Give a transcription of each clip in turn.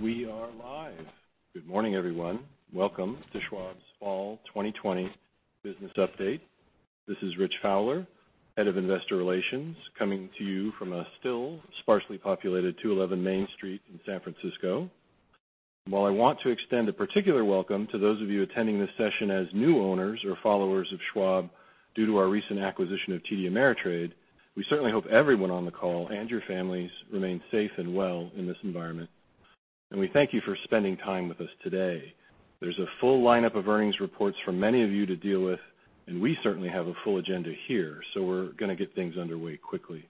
We are live. Good morning, everyone. Welcome to Schwab's Fall 2020 Business Update. This is Rich Fowler, Head of Investor Relations, coming to you from a still sparsely populated 211 Main Street in San Francisco. While I want to extend a particular welcome to those of you attending this session as new owners or followers of Schwab due to our recent acquisition of TD Ameritrade, we certainly hope everyone on the call and your families remain safe and well in this environment, and we thank you for spending time with us today. There's a full lineup of earnings reports for many of you to deal with, and we certainly have a full agenda here, so we're going to get things underway quickly.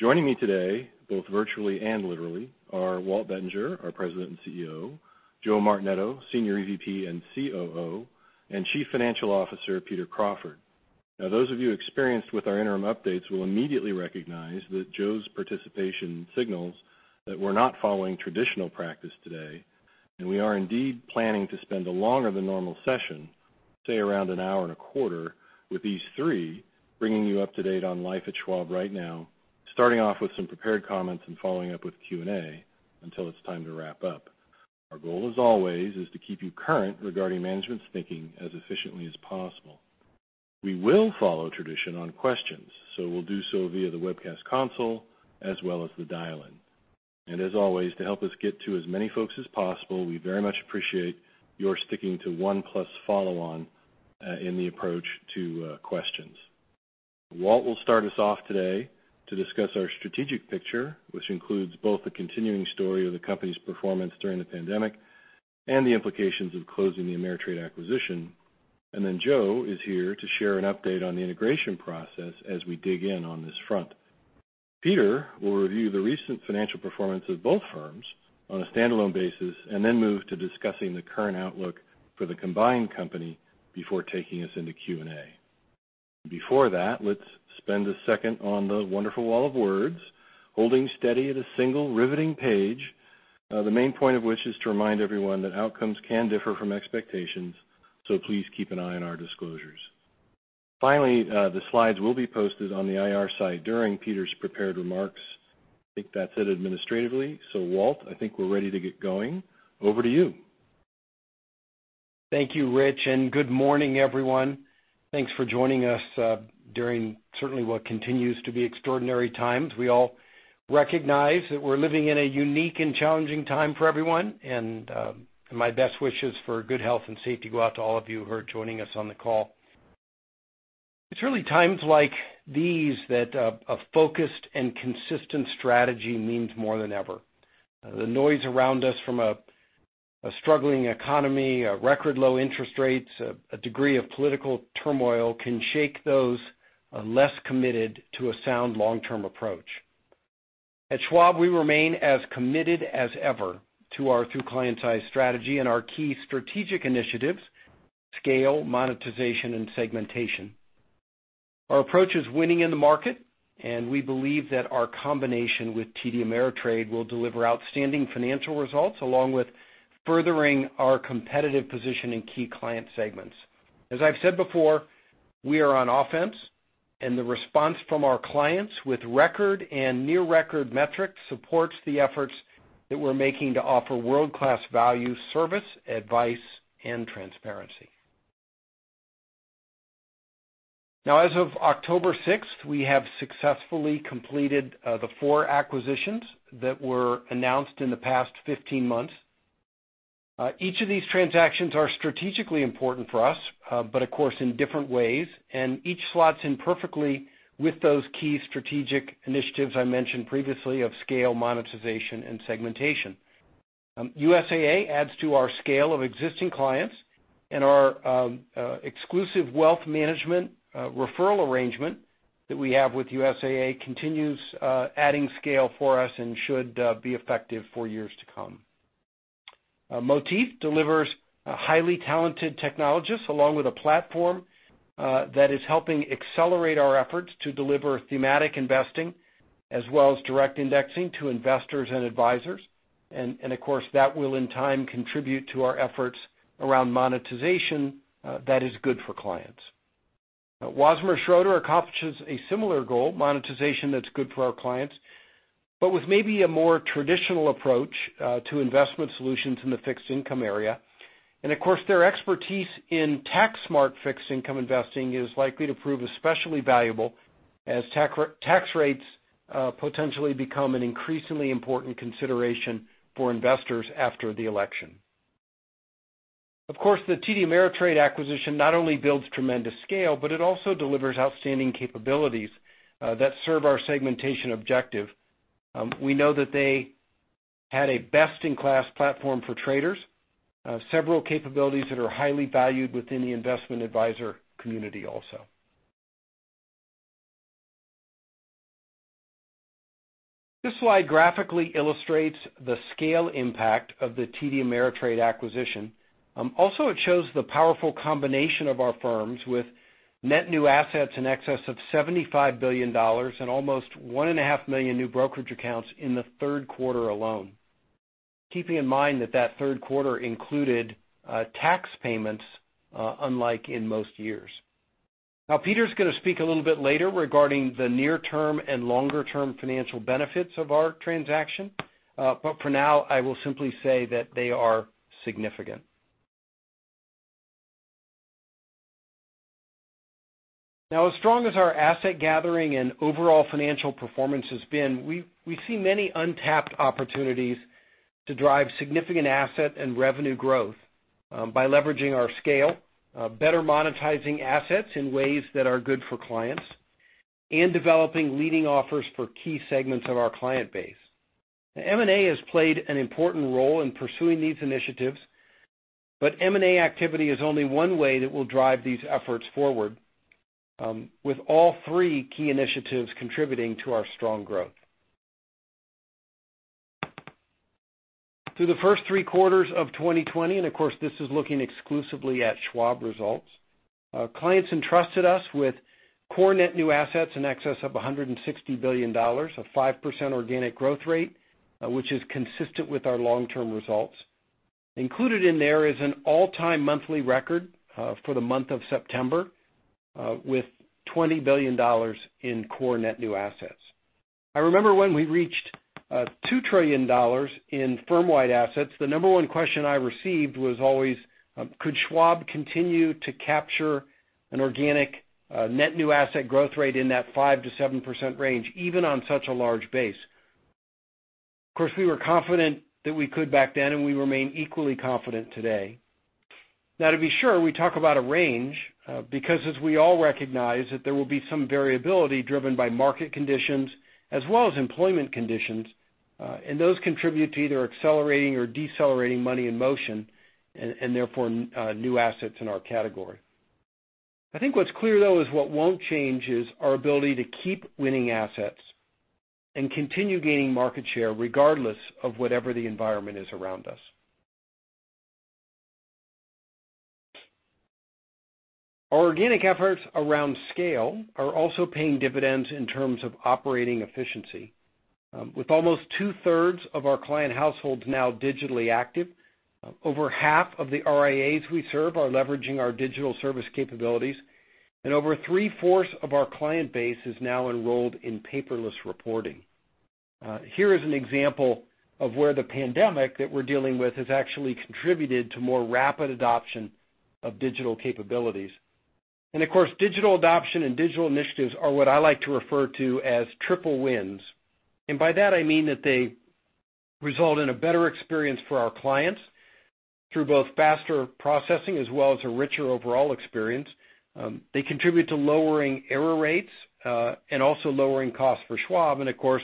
Joining me today, both virtually and literally, are Walt Bettinger, our President and CEO, Joe Martinetto, Senior EVP and COO, and Chief Financial Officer Peter Crawford. Those of you experienced with our interim updates will immediately recognize that Joe's participation signals that we're not following traditional practice today, and we are indeed planning to spend a longer than normal session, say around an hour and a quarter, with these three, bringing you up to date on life at Schwab right now, starting off with some prepared comments and following up with Q&A until it's time to wrap up. Our goal, as always, is to keep you current regarding management's thinking as efficiently as possible. We will follow tradition on questions. We'll do so via the webcast console as well as the dial-in. As always, to help us get to as many folks as possible, we very much appreciate your sticking to 1+ follow on in the approach to questions. Walt will start us off today to discuss our strategic picture, which includes both the continuing story of the company's performance during the pandemic and the implications of closing the Ameritrade acquisition. Joe is here to share an update on the integration process as we dig in on this front. Peter will review the recent financial performance of both firms on a standalone basis and then move to discussing the current outlook for the combined company before taking us into Q&A. Before that, let's spend a second on the wonderful wall of words, holding steady at a single riveting page. The main point of which is to remind everyone that outcomes can differ from expectations, so please keep an eye on our disclosures. Finally, the slides will be posted on the IR site during Peter's prepared remarks. I think that's it administratively. Walt, I think we're ready to get going. Over to you. Thank you, Rich. Good morning, everyone. Thanks for joining us during certainly what continues to be extraordinary times. We all recognize that we're living in a unique and challenging time for everyone, and my best wishes for good health and safety go out to all of you who are joining us on the call. It's really times like these that a focused and consistent strategy means more than ever. The noise around us from a struggling economy, record low interest rates, a degree of political turmoil can shake those less committed to a sound long-term approach. At Schwab, we remain as committed as ever to our through client's eyes strategy and our key strategic initiatives, scale, monetization, and segmentation. Our approach is winning in the market, and we believe that our combination with TD Ameritrade will deliver outstanding financial results, along with furthering our competitive position in key client segments. As I've said before, we are on offense and the response from our clients with record and near-record metrics supports the efforts that we're making to offer world-class value, service, advice, and transparency. Now, as of October 6th, we have successfully completed the four acquisitions that were announced in the past 15 months. Each of these transactions are strategically important for us, but of course, in different ways, and each slots in perfectly with those key strategic initiatives I mentioned previously of scale, monetization, and segmentation. USAA adds to our scale of existing clients and our exclusive wealth management referral arrangement that we have with USAA continues adding scale for us and should be effective for years to come. Motif delivers highly talented technologists along with a platform that is helping accelerate our efforts to deliver thematic investing as well as direct indexing to investors and advisors. Of course, that will in time contribute to our efforts around monetization that is good for clients. Wasmer Schroeder accomplishes a similar goal, monetization that's good for our clients, but with maybe a more traditional approach to investment solutions in the fixed income area. Of course, their expertise in tax-smart fixed income investing is likely to prove especially valuable as tax rates potentially become an increasingly important consideration for investors after the election. Of course, the TD Ameritrade acquisition not only builds tremendous scale, but it also delivers outstanding capabilities that serve our segmentation objective. We know that they had a best-in-class platform for traders, several capabilities that are highly valued within the investment advisor community also. This slide graphically illustrates the scale impact of the TD Ameritrade acquisition. Also, it shows the powerful combination of our firms with net new assets in excess of $75 billion and almost 1.5 million new brokerage accounts in the third quarter alone. Keeping in mind that third quarter included tax payments, unlike in most years. Now Peter's going to speak a little bit later regarding the near term and longer-term financial benefits of our transaction. For now, I will simply say that they are significant. Now, as strong as our asset gathering and overall financial performance has been, we see many untapped opportunities to drive significant asset and revenue growth by leveraging our scale, better monetizing assets in ways that are good for clients, and developing leading offers for key segments of our client base. M&A has played an important role in pursuing these initiatives, but M&A activity is only one way that will drive these efforts forward, with all three key initiatives contributing to our strong growth. Through the first three quarters of 2020, and of course, this is looking exclusively at Schwab results, clients entrusted us with core net new assets in excess of $160 billion, a 5% organic growth rate, which is consistent with our long-term results. Included in there is an all-time monthly record for the month of September, with $20 billion in core net new assets. I remember when we reached $2 trillion in firm-wide assets, the number one question I received was always, could Schwab continue to capture an organic net new asset growth rate in that 5% - 7% range, even on such a large base? Of course, we were confident that we could back then, and we remain equally confident today. Now, to be sure, we talk about a range because as we all recognize that there will be some variability driven by market conditions as well as employment conditions, and those contribute to either accelerating or decelerating money in motion, and therefore, new assets in our category. I think what's clear, though, is what won't change is our ability to keep winning assets and continue gaining market share regardless of whatever the environment is around us. Our organic efforts around scale are also paying dividends in terms of operating efficiency. With almost two-thirds of our client households now digitally active, over half of the RIAs we serve are leveraging our digital service capabilities, and over three-fourths of our client base is now enrolled in paperless reporting. Here is an example of where the pandemic that we're dealing with has actually contributed to more rapid adoption of digital capabilities. Of course, digital adoption and digital initiatives are what I like to refer to as triple wins. By that, I mean that they result in a better experience for our clients through both faster processing as well as a richer overall experience. They contribute to lowering error rates, and also lowering costs for Schwab. Of course,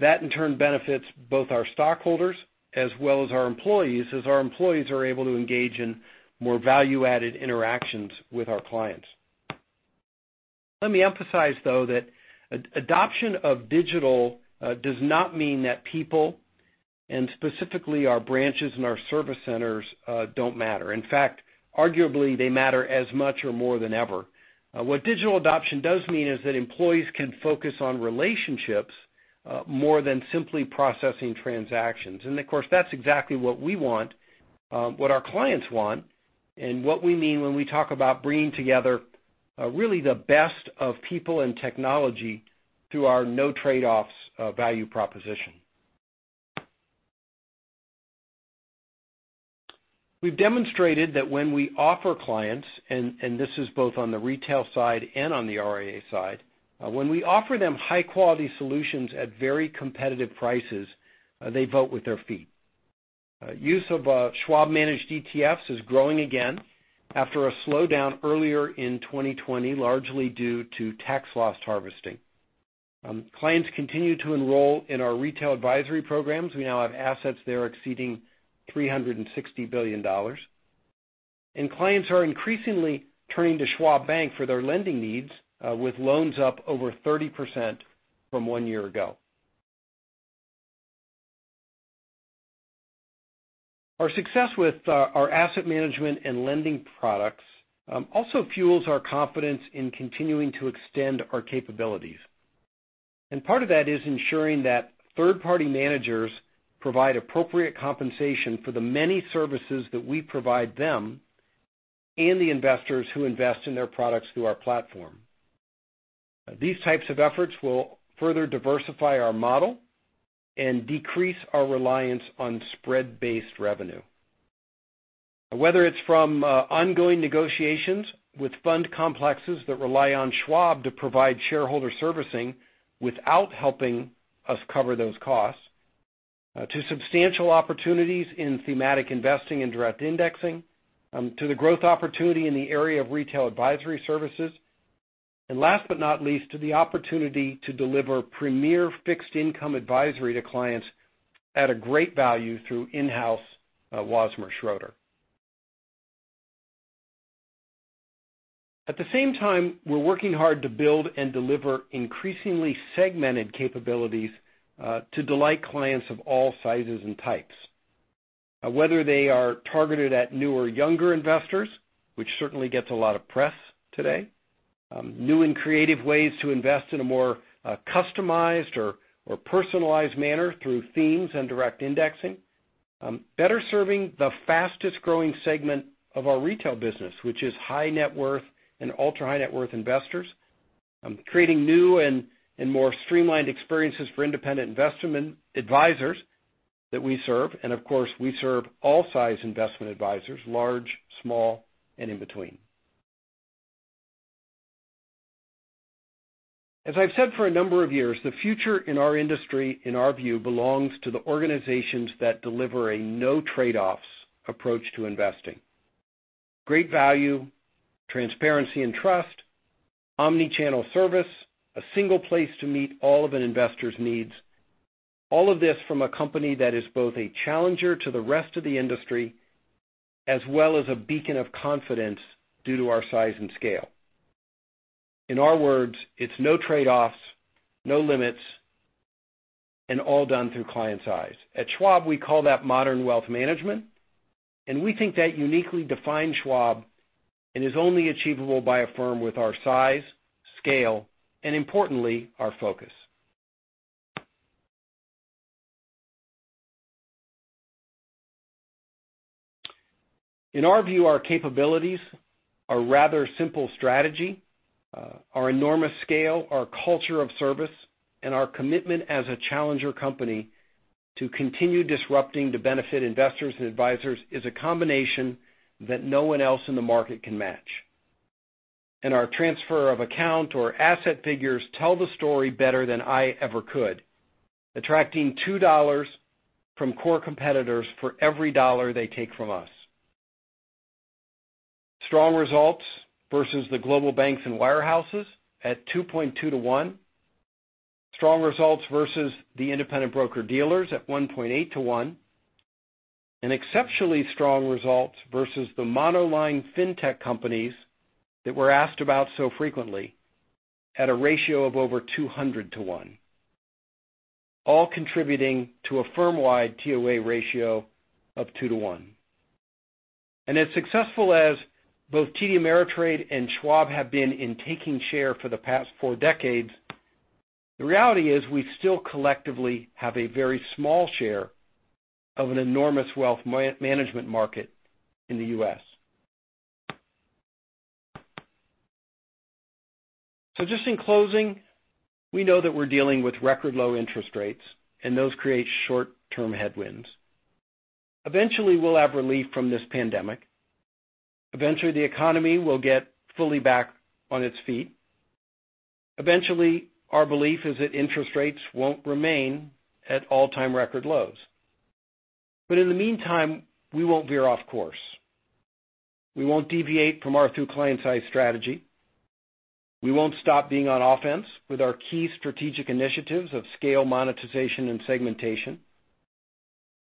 that in turn benefits both our stockholders as well as our employees, as our employees are able to engage in more value-added interactions with our clients. Let me emphasize, though, that adoption of digital does not mean that people, and specifically our branches and our service centers, don't matter. In fact, arguably, they matter as much or more than ever. What digital adoption does mean is that employees can focus on relationships more than simply processing transactions. Of course, that's exactly what we want, what our clients want, and what we mean when we talk about bringing together really the best of people and technology through our no trade-offs value proposition. We've demonstrated that when we offer clients, and this is both on the retail side and on the RIA side, when we offer them high-quality solutions at very competitive prices, they vote with their feet. Use of Schwab Managed ETFs is growing again after a slowdown earlier in 2020, largely due to tax loss harvesting. Clients continue to enroll in our retail advisory programs. We now have assets there exceeding $360 billion. Clients are increasingly turning to Schwab Bank for their lending needs, with loans up over 30% from one year ago. Our success with our asset management and lending products also fuels our confidence in continuing to extend our capabilities. Part of that is ensuring that third-party managers provide appropriate compensation for the many services that we provide them and the investors who invest in their products through our platform. These types of efforts will further diversify our model and decrease our reliance on spread-based revenue. Whether it's from ongoing negotiations with fund complexes that rely on Schwab to provide shareholder servicing without helping us cover those costs, to substantial opportunities in thematic investing and direct indexing, to the growth opportunity in the area of retail advisory services, and last but not least, to the opportunity to deliver premier fixed income advisory to clients at a great value through in-house Wasmer Schroeder. At the same time, we're working hard to build and deliver increasingly segmented capabilities to delight clients of all sizes and types. Whether they are targeted at newer, younger investors, which certainly gets a lot of press today, new and creative ways to invest in a more customized or personalized manner through themes and direct indexing. Better serving the fastest-growing segment of our retail business, which is high net worth and ultra-high net worth investors. Creating new and more streamlined experiences for independent investment advisors that we serve, and of course, we serve all size investment advisors, large, small, and in between. As I've said for a number of years, the future in our industry, in our view, belongs to the organizations that deliver a no trade-offs approach to investing. Great value, transparency and trust, omni-channel service, a single place to meet all of an investor's needs. All of this from a company that is both a challenger to the rest of the industry, as well as a beacon of confidence due to our size and scale. In our words, it's no trade-offs, no limits, and all done through client's eyes. At Schwab, we call that modern wealth management, and we think that uniquely defines Schwab and is only achievable by a firm with our size, scale, and importantly, our focus. In our view, our capabilities, our rather simple strategy, our enormous scale, our culture of service, and our commitment as a challenger company to continue disrupting to benefit investors and advisors is a combination that no one else in the market can match. Our transfer of account or asset figures tell the story better than I ever could, attracting $2 from core competitors for every dollar they take from us. Strong results versus the global banks and wirehouses at 2.2:1. Strong results versus the independent broker-dealers at 1.8:1. An exceptionally strong result versus the monoline fintech companies that we're asked about so frequently at a ratio of over 200:1. All contributing to a firm-wide TOA ratio of 2:1. As successful as both TD Ameritrade and Schwab have been in taking share for the past 4 decades, the reality is we still collectively have a very small share of an enormous wealth management market in the U.S. Just in closing, we know that we're dealing with record low interest rates, and those create short-term headwinds. Eventually, we'll have relief from this pandemic. Eventually, the economy will get fully back on its feet. Eventually, our belief is that interest rates won't remain at all-time record lows. In the meantime, we won't veer off course. We won't deviate from our through client's eyes strategy. We won't stop being on offense with our key strategic initiatives of scale, monetization, and segmentation.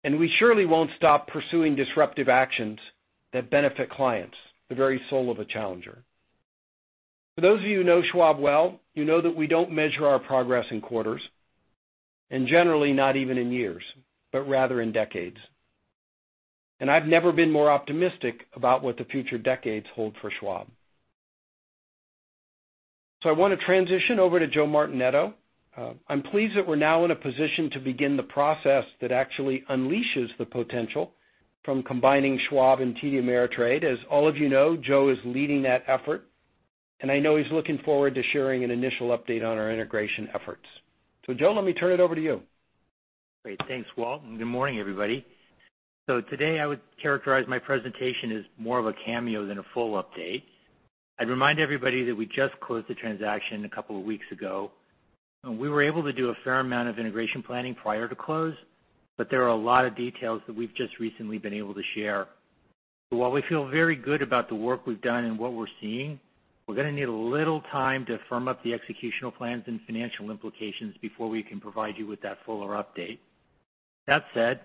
We surely won't stop pursuing disruptive actions that benefit clients, the very soul of a challenger. For those of you who know Schwab well, you know that we don't measure our progress in quarters, and generally not even in years, but rather in decades. I've never been more optimistic about what the future decades hold for Schwab. I want to transition over to Joe Martinetto. I'm pleased that we're now in a position to begin the process that actually unleashes the potential from combining Schwab and TD Ameritrade. As all of you know, Joe is leading that effort, and I know he's looking forward to sharing an initial update on our integration efforts. Joe, let me turn it over to you. Great. Thanks, Walt, good morning, everybody. Today I would characterize my presentation as more of a cameo than a full update. I'd remind everybody that we just closed the transaction a couple of weeks ago, and we were able to do a fair amount of integration planning prior to close, but there are a lot of details that we've just recently been able to share. While we feel very good about the work we've done and what we're seeing, we're going to need a little time to firm up the executional plans and financial implications before we can provide you with that fuller update. That said,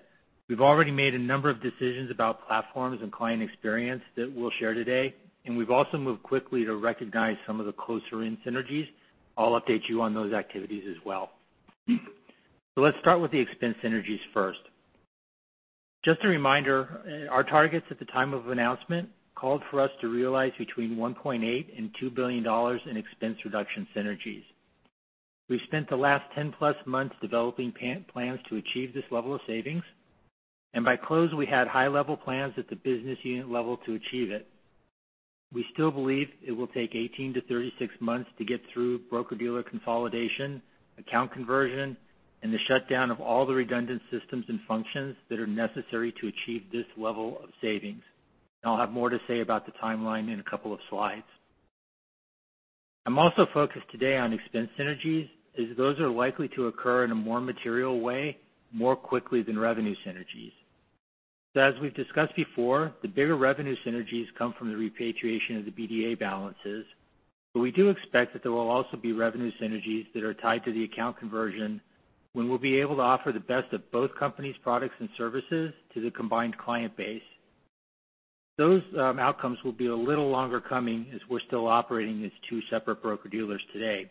we've already made a number of decisions about platforms and client experience that we'll share today, and we've also moved quickly to recognize some of the closer-in synergies. I'll update you on those activities as well. Let's start with the expense synergies first. Just a reminder, our targets at the time of announcement called for us to realize between $1.8 billion and $2 billion in expense reduction synergies. We've spent the last 10+ months developing plans to achieve this level of savings, and by close, we had high-level plans at the business unit level to achieve it. We still believe it will take 18 to 36 months to get through broker-dealer consolidation, account conversion, and the shutdown of all the redundant systems and functions that are necessary to achieve this level of savings. I'll have more to say about the timeline in a couple of slides. I'm also focused today on expense synergies, as those are likely to occur in a more material way more quickly than revenue synergies. As we've discussed before, the bigger revenue synergies come from the repatriation of the BDA balances. We do expect that there will also be revenue synergies that are tied to the account conversion when we'll be able to offer the best of both companies' products and services to the combined client base. Those outcomes will be a little longer coming as we're still operating as two separate broker-dealers today.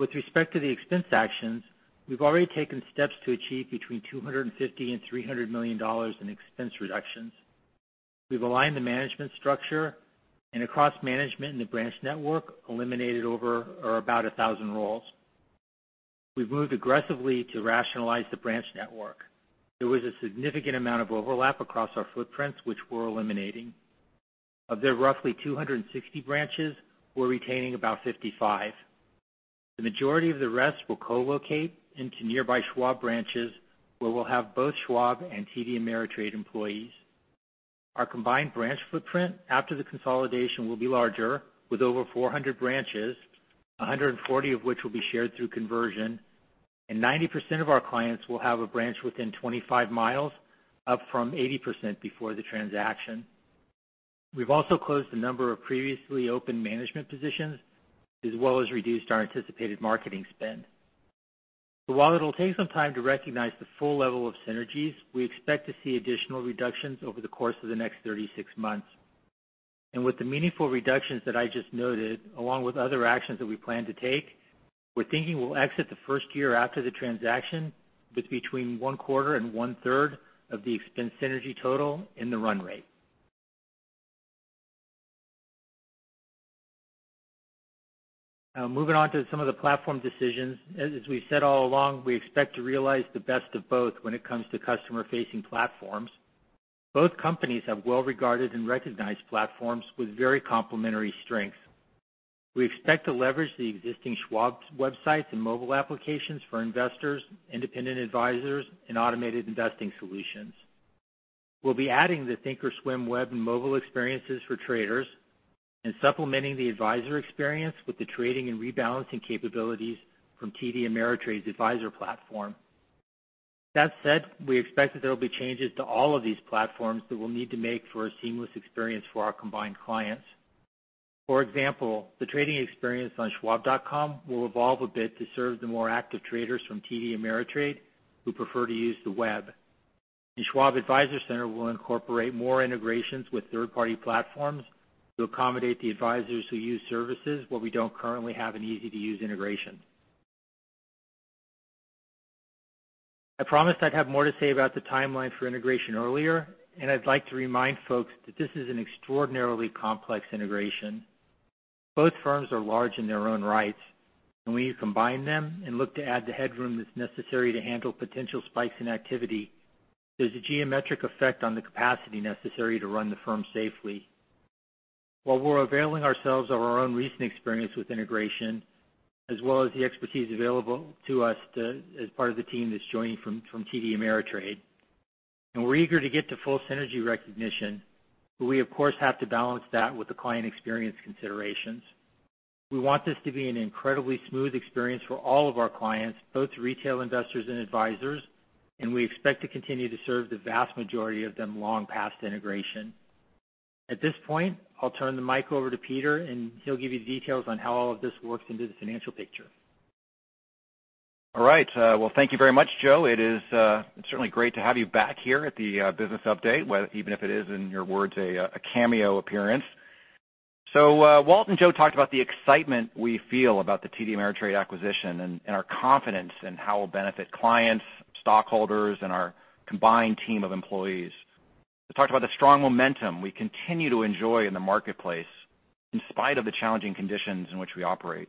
With respect to the expense actions, we've already taken steps to achieve between $250 million and $300 million in expense reductions. We've aligned the management structure and across management and the branch network eliminated over or about 1,000 roles. We've moved aggressively to rationalize the branch network. There was a significant amount of overlap across our footprints, which we're eliminating. Of the roughly 260 branches, we're retaining about 55. The majority of the rest will co-locate into nearby Schwab branches, where we'll have both Schwab and TD Ameritrade employees. Our combined branch footprint after the consolidation will be larger, with over 400 branches, 140 of which will be shared through conversion, and 90% of our clients will have a branch within 25 mi, up from 80% before the transaction. We've also closed a number of previously open management positions, as well as reduced our anticipated marketing spend. While it'll take some time to recognize the full level of synergies, we expect to see additional reductions over the course of the next 36 months. With the meaningful reductions that I just noted, along with other actions that we plan to take, we're thinking we'll exit the first year after the transaction with between one quarter and one-third of the expense synergy total in the run rate. Now moving on to some of the platform decisions. As we've said all along, we expect to realize the best of both when it comes to customer-facing platforms. Both companies have well-regarded and recognized platforms with very complementary strengths. We expect to leverage the existing Schwab websites and mobile applications for investors, independent advisors, and automated investing solutions. We'll be adding the thinkorswim web and mobile experiences for traders and supplementing the advisor experience with the trading and rebalancing capabilities from TD Ameritrade's advisor platform. That said, we expect that there will be changes to all of these platforms that we'll need to make for a seamless experience for our combined clients. For example, the trading experience on schwab.com will evolve a bit to serve the more active traders from TD Ameritrade who prefer to use the web. The Schwab Advisor Center will incorporate more integrations with third-party platforms to accommodate the advisors who use services where we don't currently have an easy-to-use integration. I promised I'd have more to say about the timeline for integration earlier, and I'd like to remind folks that this is an extraordinarily complex integration. Both firms are large in their own rights, and when you combine them and look to add the headroom that's necessary to handle potential spikes in activity, there's a geometric effect on the capacity necessary to run the firm safely. While we're availing ourselves of our own recent experience with integration, as well as the expertise available to us as part of the team that's joining from TD Ameritrade, and we're eager to get to full synergy recognition, we of course have to balance that with the client experience considerations. We want this to be an incredibly smooth experience for all of our clients, both retail investors and advisors, and we expect to continue to serve the vast majority of them long past integration. At this point, I'll turn the mic over to Peter, and he'll give you details on how all of this works into the financial picture. All right. Well, thank you very much, Joe. It is certainly great to have you back here at the business update, even if it is, in your words, a cameo appearance. Walt and Joe talked about the excitement we feel about the TD Ameritrade acquisition and our confidence in how it will benefit clients, stockholders, and our combined team of employees. We talked about the strong momentum we continue to enjoy in the marketplace in spite of the challenging conditions in which we operate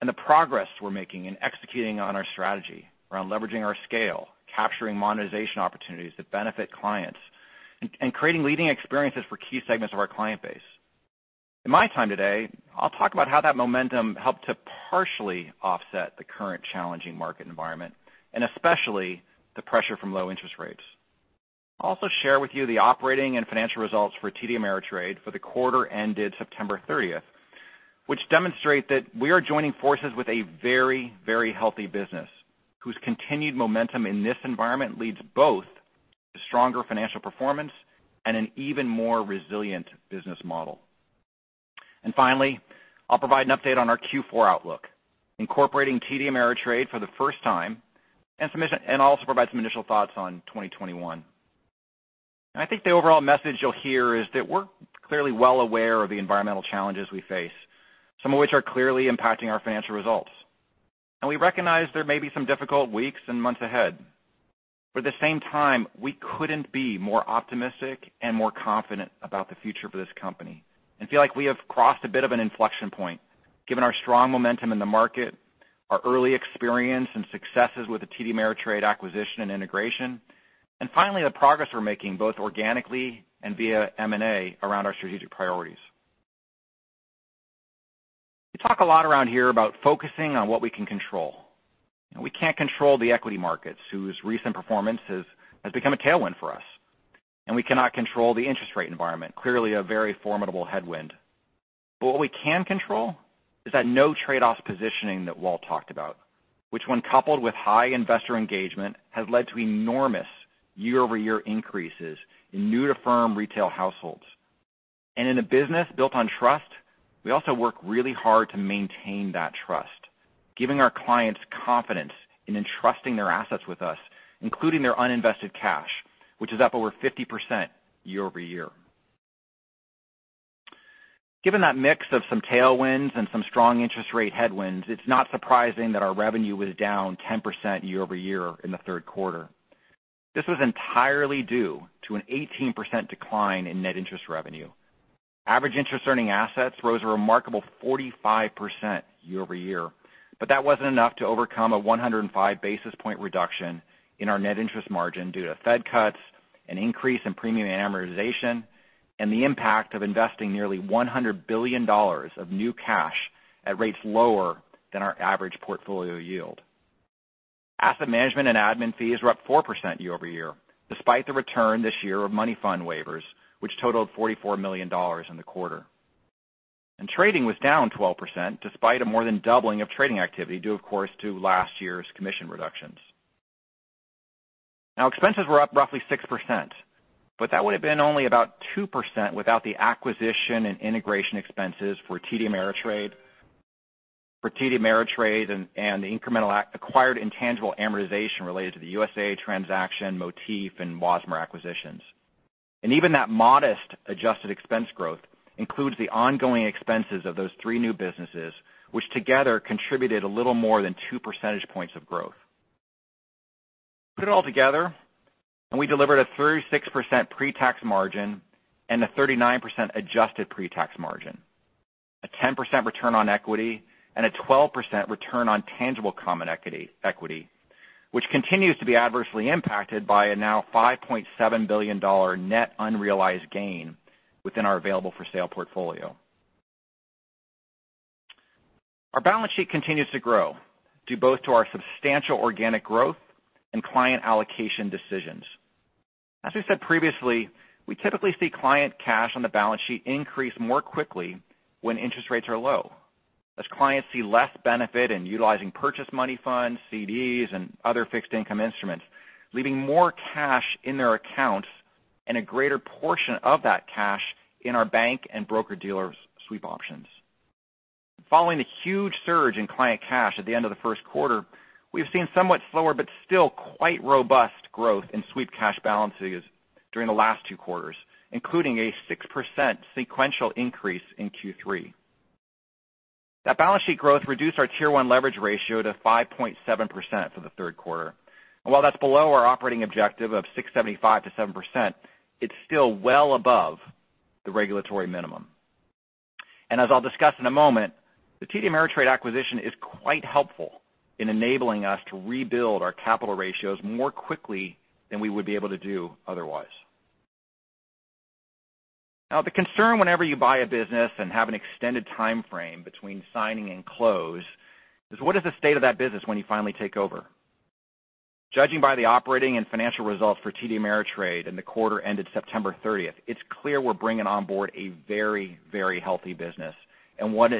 and the progress we're making in executing on our strategy around leveraging our scale, capturing monetization opportunities that benefit clients, and creating leading experiences for key segments of our client base. In my time today, I'll talk about how that momentum helped to partially offset the current challenging market environment, and especially the pressure from low interest rates. I'll also share with you the operating and financial results for TD Ameritrade for the quarter ended September 30th, which demonstrate that we are joining forces with a very healthy business whose continued momentum in this environment leads both to stronger financial performance and an even more resilient business model. Finally, I'll provide an update on our Q4 outlook, incorporating TD Ameritrade for the first time, and also provide some initial thoughts on 2021. I think the overall message you'll hear is that we're clearly well aware of the environmental challenges we face, some of which are clearly impacting our financial results. We recognize there may be some difficult weeks and months ahead. At the same time, we couldn't be more optimistic and more confident about the future for this company and feel like we have crossed a bit of an inflection point, given our strong momentum in the market, our early experience and successes with the TD Ameritrade acquisition and integration, and finally, the progress we're making, both organically and via M&A, around our strategic priorities. We talk a lot around here about focusing on what we can control. We can't control the equity markets, whose recent performance has become a tailwind for us. We cannot control the interest rate environment, clearly a very formidable headwind. What we can control is that no trade-offs positioning that Walt talked about, which when coupled with high investor engagement, has led to enormous year-over-year increases in new to firm retail households. In a business built on trust, we also work really hard to maintain that trust, giving our clients confidence in entrusting their assets with us, including their uninvested cash, which is up over 50% year-over-year. Given that mix of some tailwinds and some strong interest rate headwinds, it's not surprising that our revenue was down 10% year-over-year in the third quarter. This was entirely due to an 18% decline in net interest revenue. Average interest earning assets rose a remarkable 45% year-over-year, but that wasn't enough to overcome a 105 basis point reduction in our net interest margin due to Fed cuts, an increase in premium amortization, and the impact of investing nearly $100 billion of new cash at rates lower than our average portfolio yield. Asset management and admin fees were up 4% year-over-year, despite the return this year of money fund waivers, which totaled $44 million in the quarter. Trading was down 12%, despite a more than doubling of trading activity due, of course, to last year's commission reductions. Expenses were up roughly 6%, but that would've been only about 2% without the acquisition and integration expenses for TD Ameritrade and the incremental acquired intangible amortization related to the USAA transaction, Motif and Wasmer acquisitions. Even that modest adjusted expense growth includes the ongoing expenses of those three new businesses, which together contributed a little more than two percentage points of growth. Put it all together, we delivered a 36% pre-tax margin and a 39% adjusted pre-tax margin, a 10% return on equity, and a 12% return on tangible common equity, which continues to be adversely impacted by a now $5.7 billion net unrealized gain within our available-for-sale portfolio. Our balance sheet continues to grow due both to our substantial organic growth and client allocation decisions. As we said previously, we typically see client cash on the balance sheet increase more quickly when interest rates are low, as clients see less benefit in utilizing purchase money funds, CDs, and other fixed income instruments, leaving more cash in their accounts and a greater portion of that cash in our bank and broker-dealers sweep options. Following the huge surge in client cash at the end of the first quarter, we've seen somewhat slower, but still quite robust growth in sweep cash balances during the last two quarters, including a 6% sequential increase in Q3. That balance sheet growth reduced Tier 1 leverage ratio to 5.7% for the third quarter. While that's below our operating objective of 6.75%-7%, it's still well above the regulatory minimum. As I'll discuss in a moment, the TD Ameritrade acquisition is quite helpful in enabling us to rebuild our capital ratios more quickly than we would be able to do otherwise. Now, the concern whenever you buy a business and have an extended timeframe between signing and close is what is the state of that business when you finally take over? Judging by the operating and financial results for TD Ameritrade in the quarter ended September 30th, it's clear we're bringing on board a very, very healthy business, and one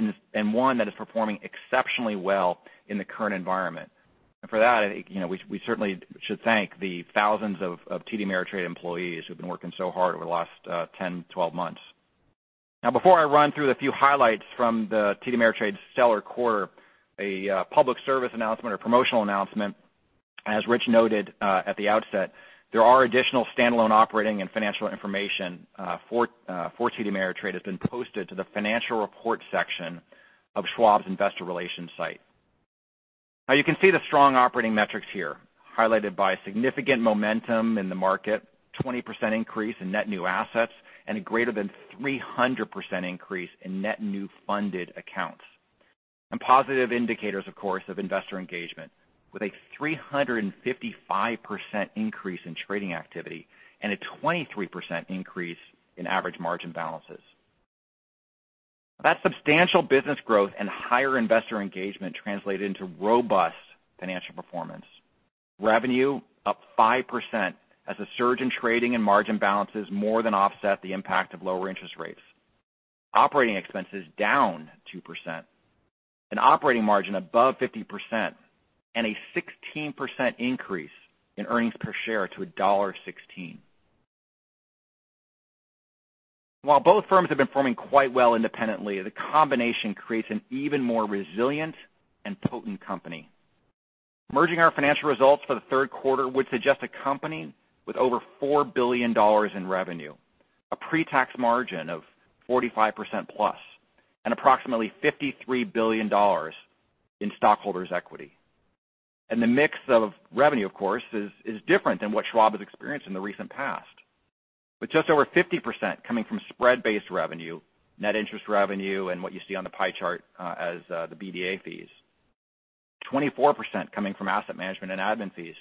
that is performing exceptionally well in the current environment. For that, we certainly should thank the thousands of Ameritrade employees who've been working so hard over the last 10, 12 months. Now, before I run through the few highlights from the TD Ameritrade stellar quarter, a public service announcement or promotional announcement, as Rich noted at the outset, there are additional standalone operating and financial information for TD Ameritrade that's been posted to the financial report section of Schwab's investor relations site. Now you can see the strong operating metrics here highlighted by significant momentum in the market, 20% increase in net new assets, and a greater than 300% increase in net new funded accounts. Positive indicators, of course, of investor engagement with a 355% increase in trading activity and a 23% increase in average margin balances. That substantial business growth and higher investor engagement translated into robust financial performance. Revenue up 5% as a surge in trading and margin balances more than offset the impact of lower interest rates. Operating expenses down 2%, an operating margin above 50%, and a 16% increase in earnings per share to $1.16. While both firms have been performing quite well independently, the combination creates an even more resilient and potent company. Merging our financial results for the third quarter would suggest a company with over $4 billion in revenue, a pre-tax margin of 45% plus, and approximately $53 billion in stockholders' equity. The mix of revenue, of course, is different than what Schwab has experienced in the recent past. With just over 50% coming from spread-based revenue, net interest revenue, and what you see on the pie chart as the BDA fees, 24% coming from asset management and admin fees,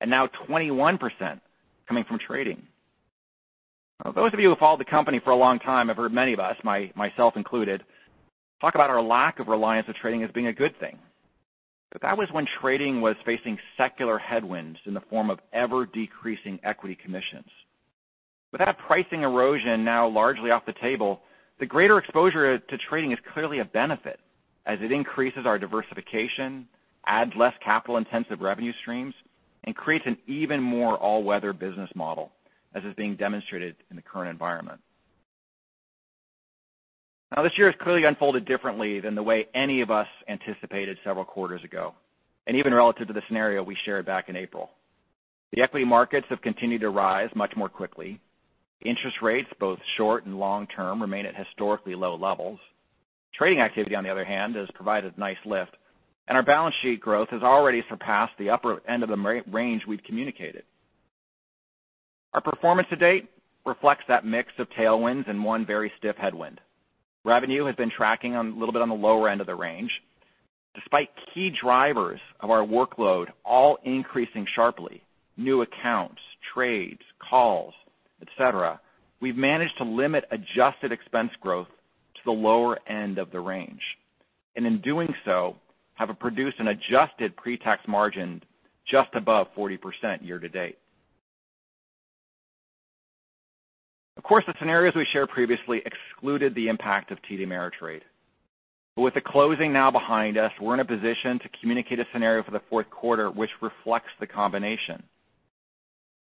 and now 21% coming from trading. Those of you who followed the company for a long time have heard many of us, myself included, talk about our lack of reliance of trading as being a good thing. That was when trading was facing secular headwinds in the form of ever-decreasing equity commissions. With that pricing erosion now largely off the table, the greater exposure to trading is clearly a benefit as it increases our diversification, adds less capital-intensive revenue streams, and creates an even more all-weather business model, as is being demonstrated in the current environment. Now, this year has clearly unfolded differently than the way any of us anticipated several quarters ago, and even relative to the scenario we shared back in April. The equity markets have continued to rise much more quickly. Interest rates, both short and long-term, remain at historically low levels. Trading activity, on the other hand, has provided nice lift, and our balance sheet growth has already surpassed the upper end of the range we'd communicated. Our performance to date reflects that mix of tailwinds and one very stiff headwind. Revenue has been tracking a little bit on the lower end of the range. Despite key drivers of our workload all increasing sharply, new accounts, trades, calls, et cetera, we've managed to limit adjusted expense growth to the lower end of the range, and in doing so, have produced an adjusted pre-tax margin just above 40% year to date. Of course, the scenarios we shared previously excluded the impact of TD Ameritrade. With the closing now behind us, we're in a position to communicate a scenario for the fourth quarter which reflects the combination.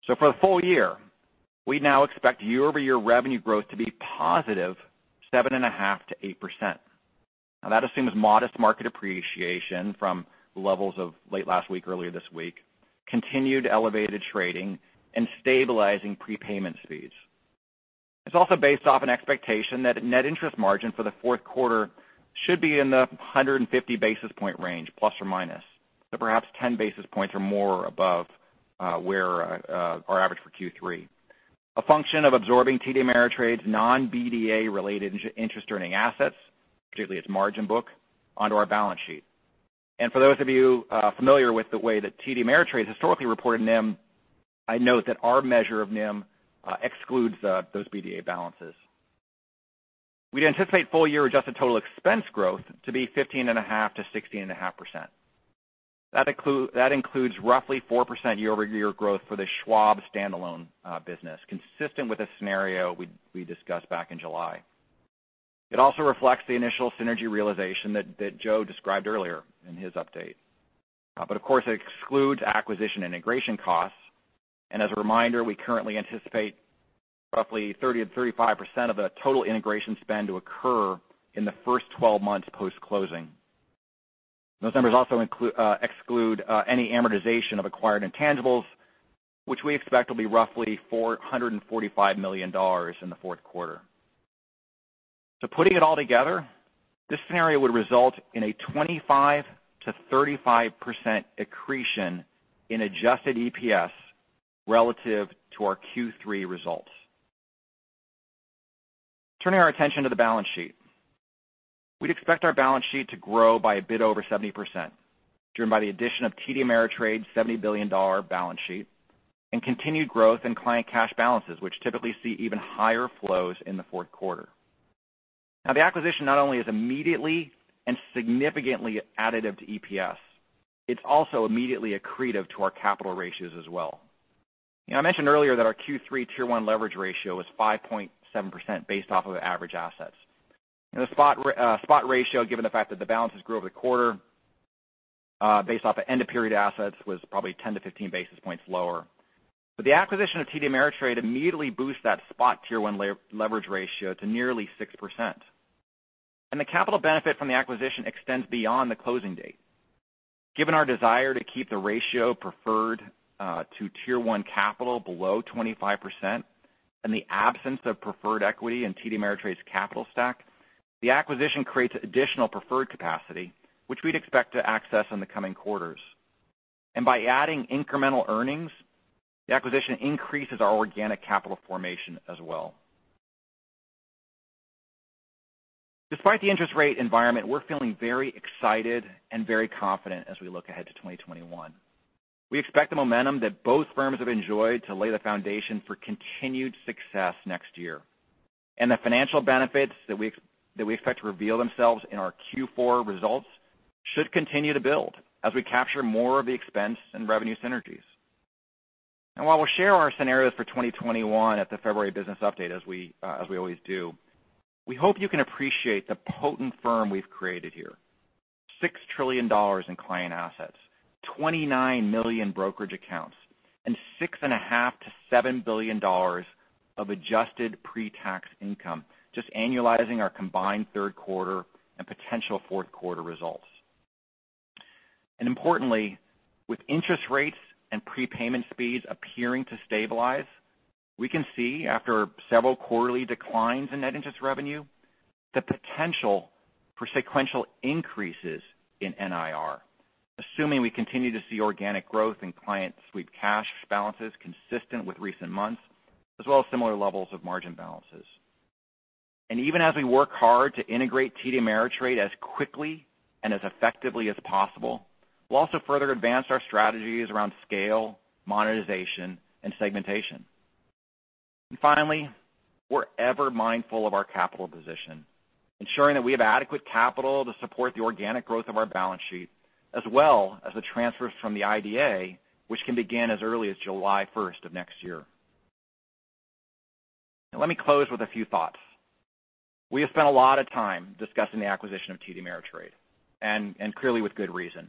For the full year, we now expect year-over-year revenue growth to be positive 7.5%-8%. That assumes modest market appreciation from the levels of late last week, earlier this week, continued elevated trading, and stabilizing prepayment speeds. It's also based off an expectation that net interest margin for the fourth quarter should be in the 150 basis point range, plus or minus. Perhaps 10 basis points or more above where our average for Q3. A function of absorbing TD Ameritrade's non-BDA related interest earning assets, particularly its margin book, onto our balance sheet. For those of you familiar with the way that TD Ameritrade historically reported NIM, I note that our measure of NIM excludes those BDA balances. We'd anticipate full year adjusted total expense growth to be 15.5%-16.5%. That includes roughly 4% year-over-year growth for the Schwab standalone business, consistent with the scenario we discussed back in July. It also reflects the initial synergy realization that Joe described earlier in his update. Of course, it excludes acquisition and integration costs. As a reminder, we currently anticipate roughly 30% and 35% of the total integration spend to occur in the first 12 months post-closing. Those numbers also exclude any amortization of acquired intangibles, which we expect will be roughly $445 million in the fourth quarter. Putting it all together, this scenario would result in a 25%-35% accretion in adjusted EPS relative to our Q3 results. Turning our attention to the balance sheet. We'd expect our balance sheet to grow by a bit over 70%, driven by the addition of TD Ameritrade's $70 billion balance sheet and continued growth in client cash balances, which typically see even higher flows in the fourth quarter. The acquisition not only is immediately and significantly additive to EPS, it's also immediately accretive to our capital ratios as well. I mentioned earlier that our Q3 tier one leverage ratio was 5.7% based off of average assets. In the spot ratio, given the fact that the balances grew over the quarter, based off the end of period assets was probably 10 to 15 basis points lower. The acquisition of TD Ameritrade immediately boosts that spot Tier 1 leverage ratio to nearly 6%. The capital benefit from the acquisition extends beyond the closing date. Given our desire to keep the ratio preferred to tier one capital below 25%, the absence of preferred equity in TD Ameritrade's capital stack, the acquisition creates additional preferred capacity, which we'd expect to access in the coming quarters. By adding incremental earnings, the acquisition increases our organic capital formation as well. Despite the interest rate environment, we're feeling very excited and very confident as we look ahead to 2021. We expect the momentum that both firms have enjoyed to lay the foundation for continued success next year, and the financial benefits that we expect to reveal themselves in our Q4 results should continue to build as we capture more of the expense and revenue synergies. While we'll share our scenarios for 2021 at the February business update, as we always do, we hope you can appreciate the potent firm we've created here. $6 trillion in client assets, 29 million brokerage accounts, $6.5 billion-$7 billion of adjusted pre-tax income, just annualizing our combined third quarter and potential fourth quarter results. Importantly, with interest rates and prepayment speeds appearing to stabilize, we can see after several quarterly declines in net interest revenue, the potential for sequential increases in NIR, assuming we continue to see organic growth in client sweep cash balances consistent with recent months, as well as similar levels of margin balances. Even as we work hard to integrate TD Ameritrade as quickly and as effectively as possible, we'll also further advance our strategies around scale, monetization, and segmentation. Finally, we're ever mindful of our capital position, ensuring that we have adequate capital to support the organic growth of our balance sheet, as well as the transfers from the IDA, which can begin as early as July 1st of next year. Let me close with a few thoughts. We have spent a lot of time discussing the acquisition of TD Ameritrade, and clearly with good reason.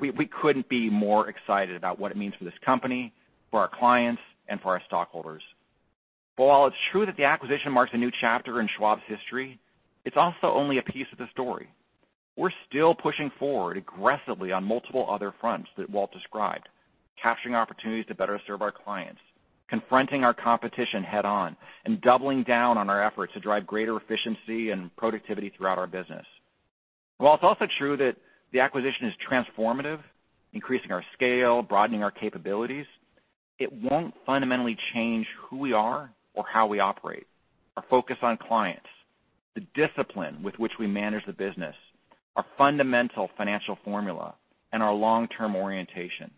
We couldn't be more excited about what it means for this company, for our clients, and for our stockholders. While it's true that the acquisition marks a new chapter in Schwab's history, it's also only a piece of the story. We're still pushing forward aggressively on multiple other fronts that Walt described, capturing opportunities to better serve our clients, confronting our competition head-on, and doubling down on our efforts to drive greater efficiency and productivity throughout our business. While it's also true that the acquisition is transformative, increasing our scale, broadening our capabilities, it won't fundamentally change who we are or how we operate. Our focus on clients, the discipline with which we manage the business, our fundamental financial formula, and our long-term orientation,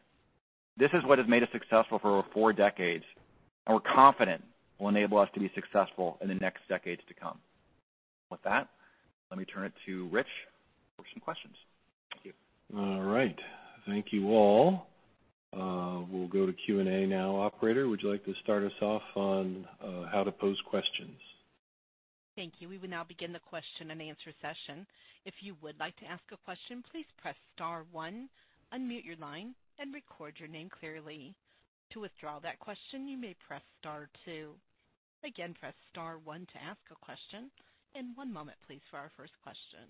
this is what has made us successful for over four decades, and we're confident will enable us to be successful in the next decades to come. With that, let me turn it to Rich for some questions. Thank you. All right. Thank you all. We'll go to Q&A now. Operator, would you like to start us off on how to pose questions? Thank you. We will now begin the question-and-answer session. If you would like to ask a question, please press star one, unmute your line and record your name clearly. To withdraw that question, you may press star two. Again, press star one to ask a question. One moment, please, for our first question.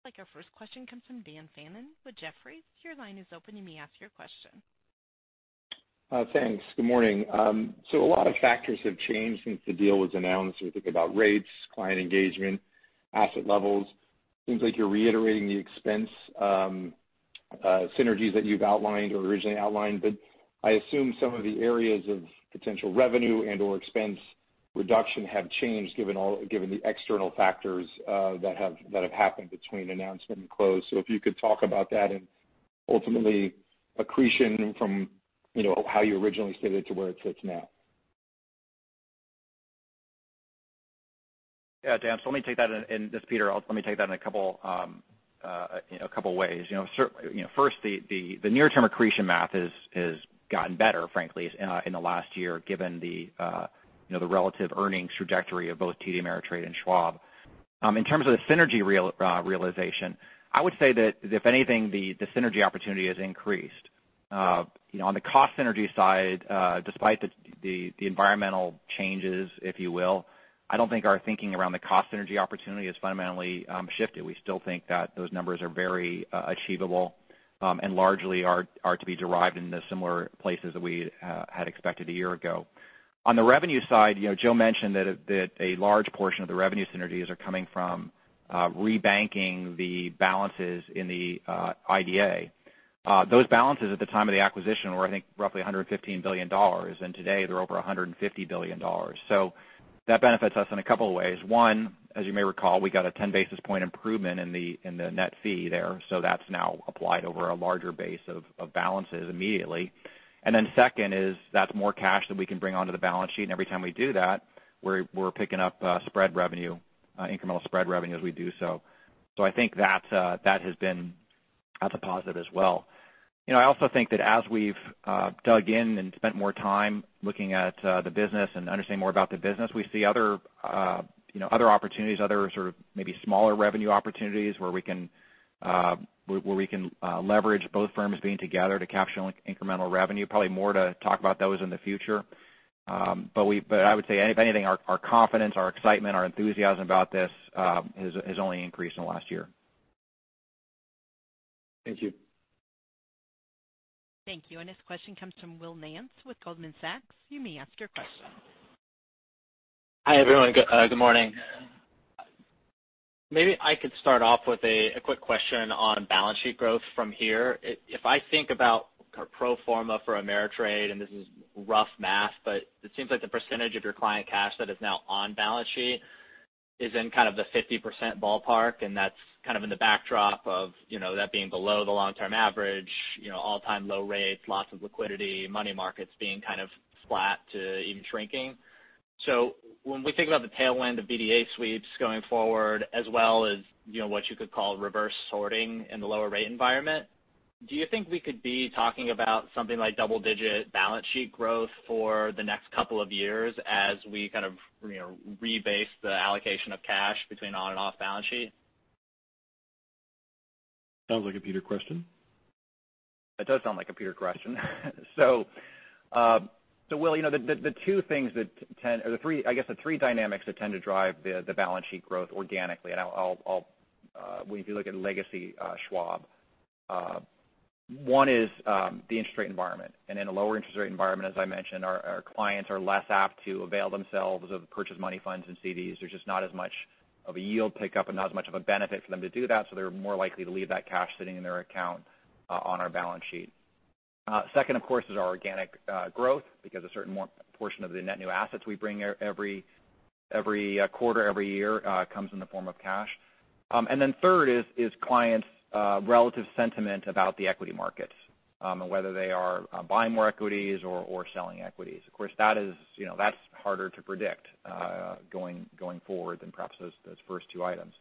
I think our first question comes from Dan Fannon with Jefferies. Your line is open. You may ask your question. Thanks. Good morning. A lot of factors have changed since the deal was announced. You think about rates, client engagement, asset levels. Seems like you're reiterating the expense synergies that you've outlined or originally outlined, but I assume some of the areas of potential revenue and/or expense reduction have changed given the external factors that have happened between announcement and close. If you could talk about that and ultimately accretion from how you originally stated to where it sits now. Yeah, Dan. Let me take that, and this is Peter. Let me take that in a couple ways. First, the near-term accretion math has gotten better, frankly, in the last year, given the relative earnings trajectory of both TD Ameritrade and Schwab. In terms of the synergy realization, I would say that if anything, the synergy opportunity has increased. On the cost synergy side, despite the environmental changes, if you will, I don't think our thinking around the cost synergy opportunity has fundamentally shifted. We still think that those numbers are very achievable, and largely are to be derived in the similar places that we had expected a year ago. On the revenue side, Joe mentioned that a large portion of the revenue synergies are coming from re-banking the balances in the IDA. Those balances at the time of the acquisition were, I think, roughly $115 billion, and today they're over $150 billion. That benefits us in a couple of ways. One, as you may recall, we got a 10-basis point improvement in the net fee there, so that's now applied over a larger base of balances immediately. Second is that's more cash that we can bring onto the balance sheet. Every time we do that, we're picking up incremental spread revenue as we do so. I think that's a positive as well. I also think that as we've dug in and spent more time looking at the business and understanding more about the business, we see other opportunities, other sort of maybe smaller revenue opportunities where we can leverage both firms being together to capture incremental revenue. Probably more to talk about those in the future. I would say if anything, our confidence, our excitement, our enthusiasm about this has only increased in the last year. Thank you. Thank you. Our next question comes from Will Nance with Goldman Sachs. You may ask your question. Hi, everyone. Good morning. Maybe I could start off with a quick question on balance sheet growth from here. If I think about pro forma for Ameritrade, and this is rough math, but it seems like the percentage of your client cash that is now on balance sheet is in kind of the 50% ballpark, and that's kind of in the backdrop of that being below the long-term average, all-time low rates, lots of liquidity, money markets being kind of flat to even shrinking. When we think about the tailwind of BDA sweeps going forward as well as what you could call reverse sorting in the lower rate environment, do you think we could be talking about something like double-digit balance sheet growth for the next couple of years as we kind of rebase the allocation of cash between on and off balance sheet? Sounds like a Peter question. It does sound like a Peter question. Will, I guess the three dynamics that tend to drive the balance sheet growth organically, and if you look at legacy Schwab. One is the interest rate environment. In a lower interest rate environment, as I mentioned, our clients are less apt to avail themselves of purchase money funds and CDs. There's just not as much of a yield pickup and not as much of a benefit for them to do that, so they're more likely to leave that cash sitting in their account on our balance sheet. Second, of course, is our organic growth because a certain portion of the net new assets we bring every quarter, every year comes in the form of cash. Third is clients' relative sentiment about the equity markets, and whether they are buying more equities or selling equities. Of course, that's harder to predict going forward than perhaps those first two items.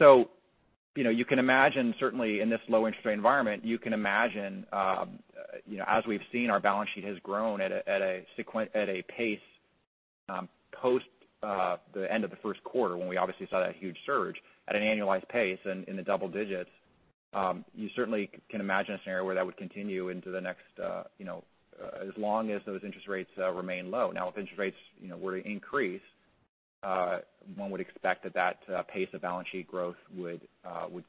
You can imagine, certainly in this low interest rate environment, you can imagine as we've seen our balance sheet has grown at a pace post the end of the first quarter, when we obviously saw that huge surge at an annualized pace in the double digits. You certainly can imagine a scenario where that would continue as long as those interest rates remain low. Now, if interest rates were to increase, one would expect that pace of balance sheet growth would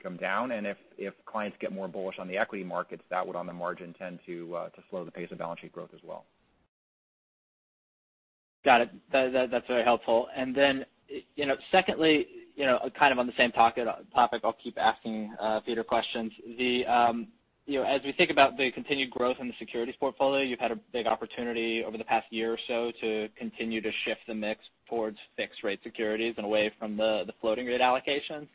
come down, and if clients get more bullish on the equity markets, that would, on the margin, tend to slow the pace of balance sheet growth as well. Got it. That's very helpful. Then secondly, kind of on the same topic, I'll keep asking Peter questions. As we think about the continued growth in the securities portfolio, you've had a big opportunity over the past year or so to continue to shift the mix towards fixed rate securities and away from the floating rate allocations.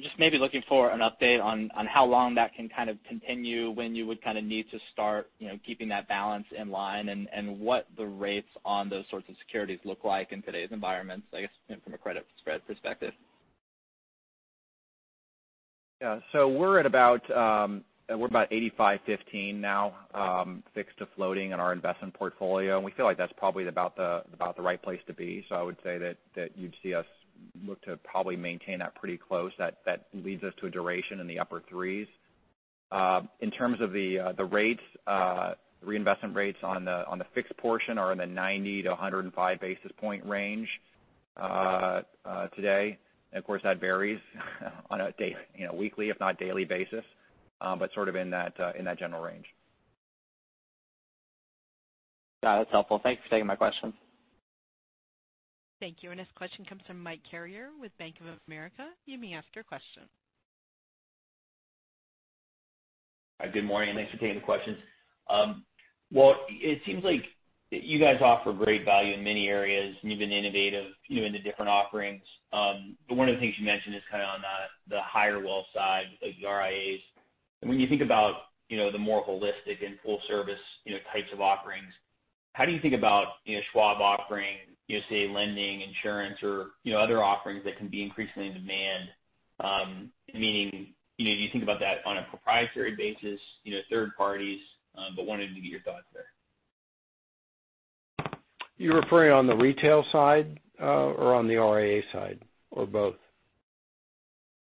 Just maybe looking for an update on how long that can kind of continue, when you would kind of need to start keeping that balance in line, and what the rates on those sorts of securities look like in today's environment, I guess from a credit spread perspective. Yeah. We're at about 85/15 now, fixed to floating in our investment portfolio, and we feel like that's probably about the right place to be. I would say that you'd see us look to probably maintain that pretty close. That leads us to a duration in the upper threes. In terms of the rates, reinvestment rates on the fixed portion are in the 90 - 105 basis point range today. Of course, that varies on a weekly, if not daily basis. Sort of in that general range. Got it. That's helpful. Thanks for taking my question. Thank you. Our next question comes from Mike Carrier with Bank of America. You may ask your question. Hi, good morning and thanks for taking the questions. Well, it seems like you guys offer great value in many areas, and you've been innovative in the different offerings. One of the things you mentioned is kind of on the higher wealth side, like the RIAs. When you think about the more holistic and full service types of offerings, how do you think about Schwab offering, say, lending, insurance or other offerings that can be increasingly in demand? Meaning, do you think about that on a proprietary basis, third parties? Wanted to get your thoughts there. You're referring on the retail side or on the RIA side or both?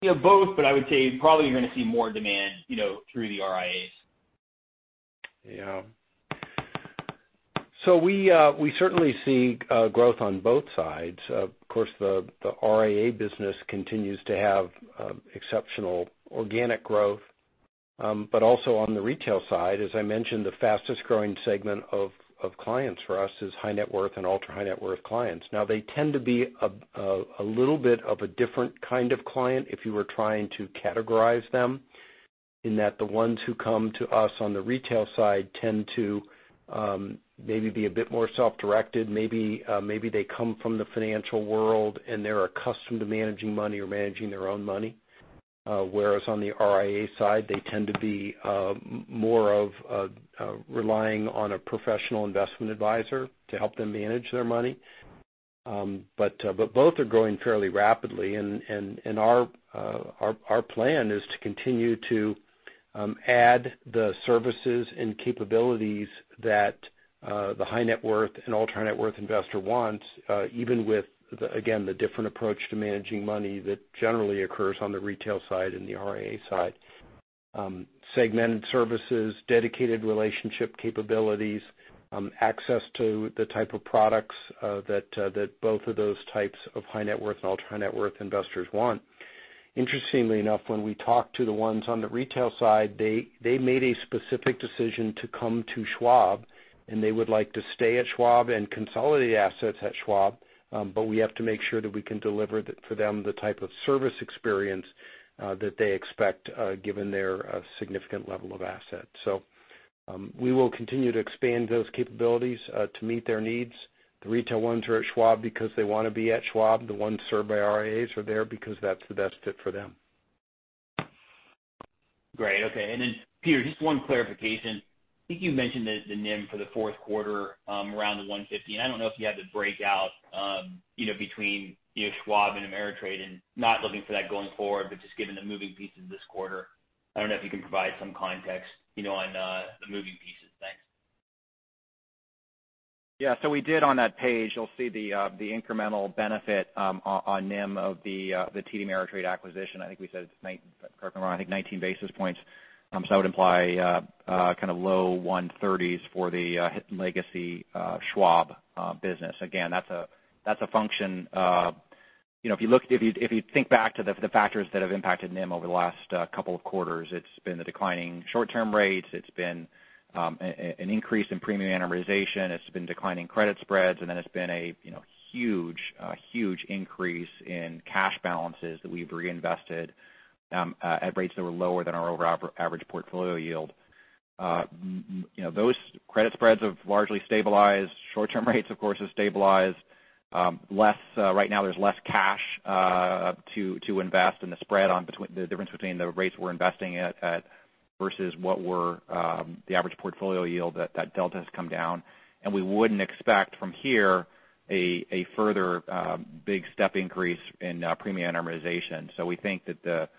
Yeah, both, but I would say probably you're going to see more demand through the RIAs. Yeah. We certainly see growth on both sides. Of course, the RIA business continues to have exceptional organic growth. Also on the retail side, as I mentioned, the fastest-growing segment of clients for us is high net worth and ultra-high net worth clients. They tend to be a little bit of a different kind of client if you were trying to categorize them, in that the ones who come to us on the retail side tend to maybe be a bit more self-directed. Maybe they come from the financial world and they're accustomed to managing money or managing their own money. Whereas on the RIA side, they tend to be more of relying on a professional investment advisor to help them manage their money. Both are growing fairly rapidly and our plan is to continue to add the services and capabilities that the high net worth and ultra-high net worth investor wants even with, again, the different approach to managing money that generally occurs on the retail side and the RIA side. Segmented services, dedicated relationship capabilities, access to the type of products that both of those types of high net worth and ultra-high net worth investors want. Interestingly enough, when we talk to the ones on the retail side, they made a specific decision to come to Schwab, and they would like to stay at Schwab and consolidate assets at Schwab. We have to make sure that we can deliver for them the type of service experience that they expect given their significant level of assets. We will continue to expand those capabilities to meet their needs. The retail ones are at Schwab because they want to be at Schwab. The ones served by RIAs are there because that's the best fit for them. Great. Okay. Then Peter, just one clarification. I think you mentioned the NIM for the fourth quarter around the 150, and I don't know if you have the breakout between Schwab and Ameritrade. Not looking for that going forward, but just given the moving pieces this quarter, I don't know if you can provide some context on the moving pieces. Thanks. Yeah. We did on that page, you'll see the incremental benefit on NIM of the TD Ameritrade acquisition. I think we said, correct me if I'm wrong, I think 19 basis points. That would imply kind of low 130s for the legacy Schwab business. Again, that's a function of, if you think back to the factors that have impacted NIM over the last couple of quarters, it's been the declining short-term rates, it's been an increase in premium amortization, it's been declining credit spreads, and then it's been a huge increase in cash balances that we've reinvested at rates that were lower than our overall average portfolio yield. Those credit spreads have largely stabilized. Short-term rates, of course, have stabilized. Right now there's less cash to invest in the spread on the difference between the rates we're investing at versus what were the average portfolio yield. That delta has come down, and we wouldn't expect from here a further big step increase in premium amortization. We think that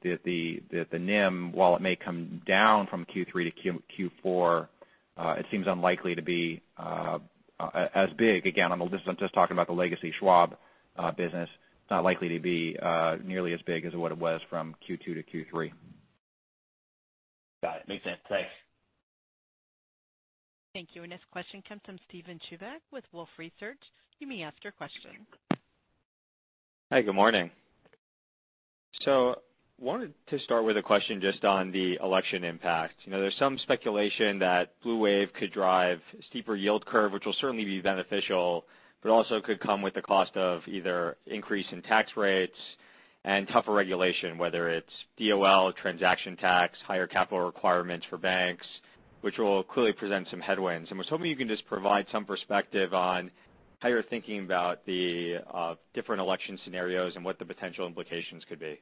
the NIM, while it may come down from Q3 to Q4, it seems unlikely to be as big. Again, I'm just talking about the legacy Schwab business. It's not likely to be nearly as big as what it was from Q2 to Q3. Got it. Makes sense. Thanks. Thank you. Our next question comes from Steven Chubak with Wolfe Research. You may ask your question. Hi, good morning. Wanted to start with a question just on the election impact. There's some speculation that blue wave could drive steeper yield curve, which will certainly be beneficial, but also could come with the cost of either increase in tax rates and tougher regulation, whether it's DOL, transaction tax, higher capital requirements for banks, which will clearly present some headwinds. I was hoping you can just provide some perspective on how you're thinking about the different election scenarios and what the potential implications could be.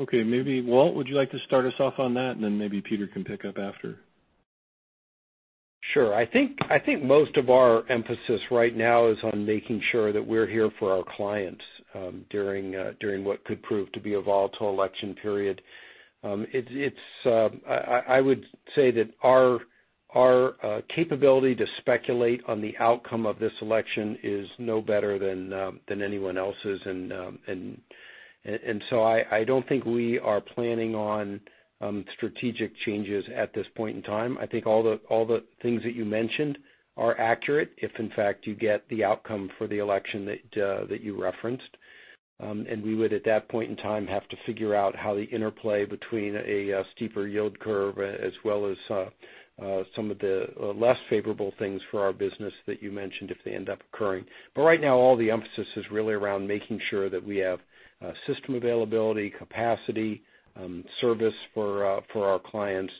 Okay. Maybe Walt, would you like to start us off on that, and then maybe Peter can pick up after? Sure. I think most of our emphasis right now is on making sure that we're here for our clients during what could prove to be a volatile election period. I would say that our capability to speculate on the outcome of this election is no better than anyone else's. I don't think we are planning on strategic changes at this point in time. I think all the things that you mentioned are accurate, if in fact you get the outcome for the election that you referenced. We would, at that point in time, have to figure out how the interplay between a steeper yield curve as well as some of the less favorable things for our business that you mentioned if they end up occurring. Right now, all the emphasis is really around making sure that we have system availability, capacity, service for our clients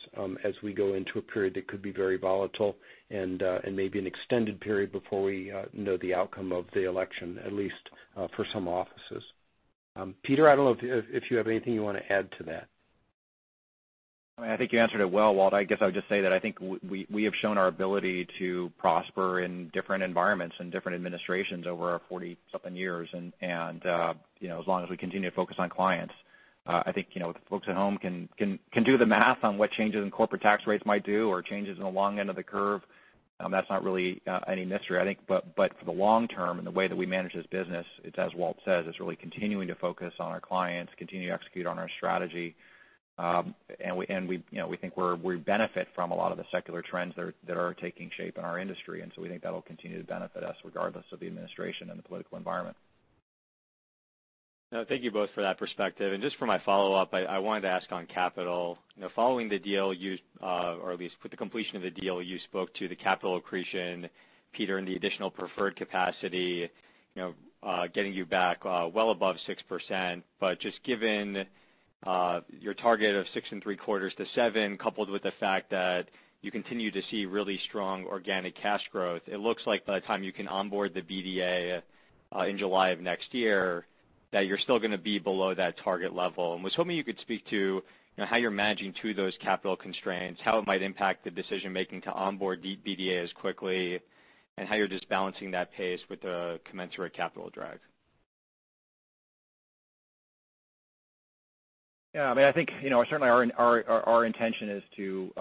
as we go into a period that could be very volatile and maybe an extended period before we know the outcome of the election, at least for some offices. Peter, I don't know if you have anything you want to add to that. I think you answered it well, Walt. I guess I would just say that I think we have shown our ability to prosper in different environments and different administrations over our 40-something years. As long as we continue to focus on clients, I think the folks at home can do the math on what changes in corporate tax rates might do or changes in the long end of the curve. That's not really any mystery, I think. For the long term and the way that we manage this business, it's as Walt says, it's really continuing to focus on our clients, continue to execute on our strategy. We think we benefit from a lot of the secular trends that are taking shape in our industry, we think that'll continue to benefit us regardless of the administration and the political environment. Thank you both for that perspective. Just for my follow-up, I wanted to ask on capital. Following the deal or at least with the completion of the deal, you spoke to the capital accretion, Peter, and the additional preferred capacity getting you back well above 6%. Just given your target of six and three quarters to seven, coupled with the fact that you continue to see really strong organic cash growth, it looks like by the time you can onboard the BDA in July of next year, that you're still going to be below that target level. I was hoping you could speak to how you're managing to those capital constraints, how it might impact the decision-making to onboard BDA as quickly, and how you're just balancing that pace with the commensurate capital drag. Yeah. I think certainly our intention is to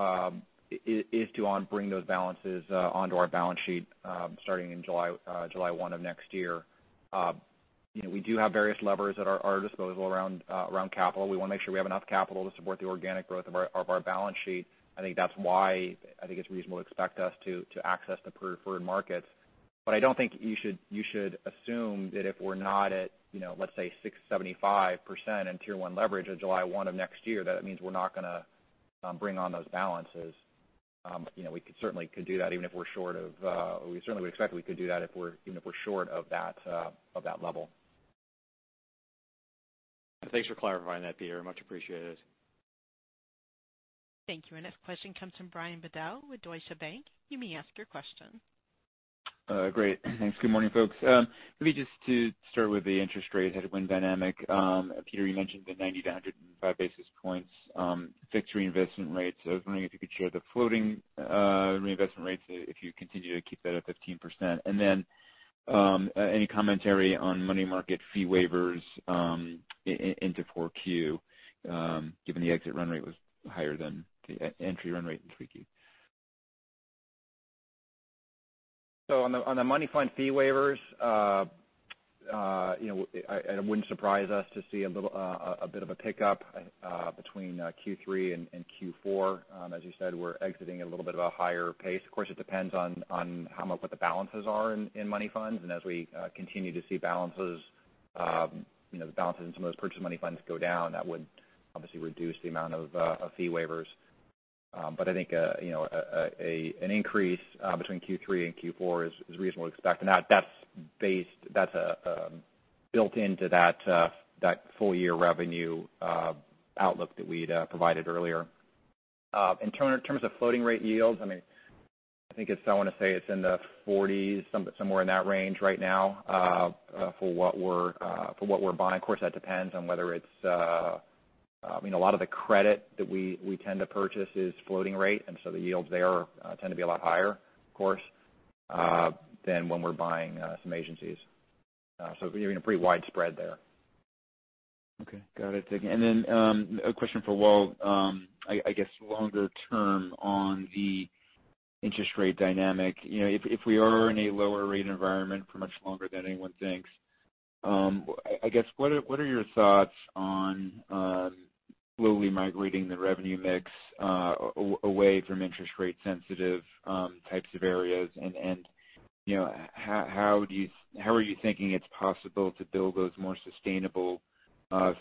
bring those balances onto our balance sheet starting in July 1 of next year. We do have various levers at our disposal around capital. We want to make sure we have enough capital to support the organic growth of our balance sheet. I think that's why I think it's reasonable to expect us to access the preferred markets. I don't think you should assume that if we're not at, let's say, 675% in tier one leverage of July 1 of next year, that it means we're not going to bring on those balances. We certainly would expect we could do that even if we're short of that level. Thanks for clarifying that, Peter. Much appreciated. Thank you. Our next question comes from Brian Bedell with Deutsche Bank. You may ask your question. Great. Thanks. Good morning, folks. Let me just to start with the interest rate headwind dynamic. Peter, you mentioned the 90-105 basis points fixed reinvestment rates. I was wondering if you could share the floating reinvestment rates if you continue to keep that at 15%. Any commentary on money market fee waivers into 4Q given the exit run rate was higher than the entry run rate in 3Q. On the money fund fee waivers, it wouldn't surprise us to see a bit of a pickup between Q3 and Q4. As you said, we're exiting at a little bit of a higher pace. Of course, it depends on what the balances are in money funds. As we continue to see the balances in some of those purchase money funds go down, that would obviously reduce the amount of fee waivers. I think an increase between Q3 and Q4 is reasonable to expect. That's built into that full-year revenue outlook that we'd provided earlier. In terms of floating rate yields, I want to say it's in the 40s, somewhere in that range right now for what we're buying. Of course, that depends on whether it's a lot of the credit that we tend to purchase is floating rate. The yields there tend to be a lot higher, of course, than when we're buying some agencies. A pretty wide spread there. Okay. Got it. Thank you. A question for Walt. I guess longer term on the interest rate dynamic. If we are in a lower rate environment for much longer than anyone thinks, I guess, what are your thoughts on slowly migrating the revenue mix away from interest rate sensitive types of areas and how are you thinking it's possible to build those more sustainable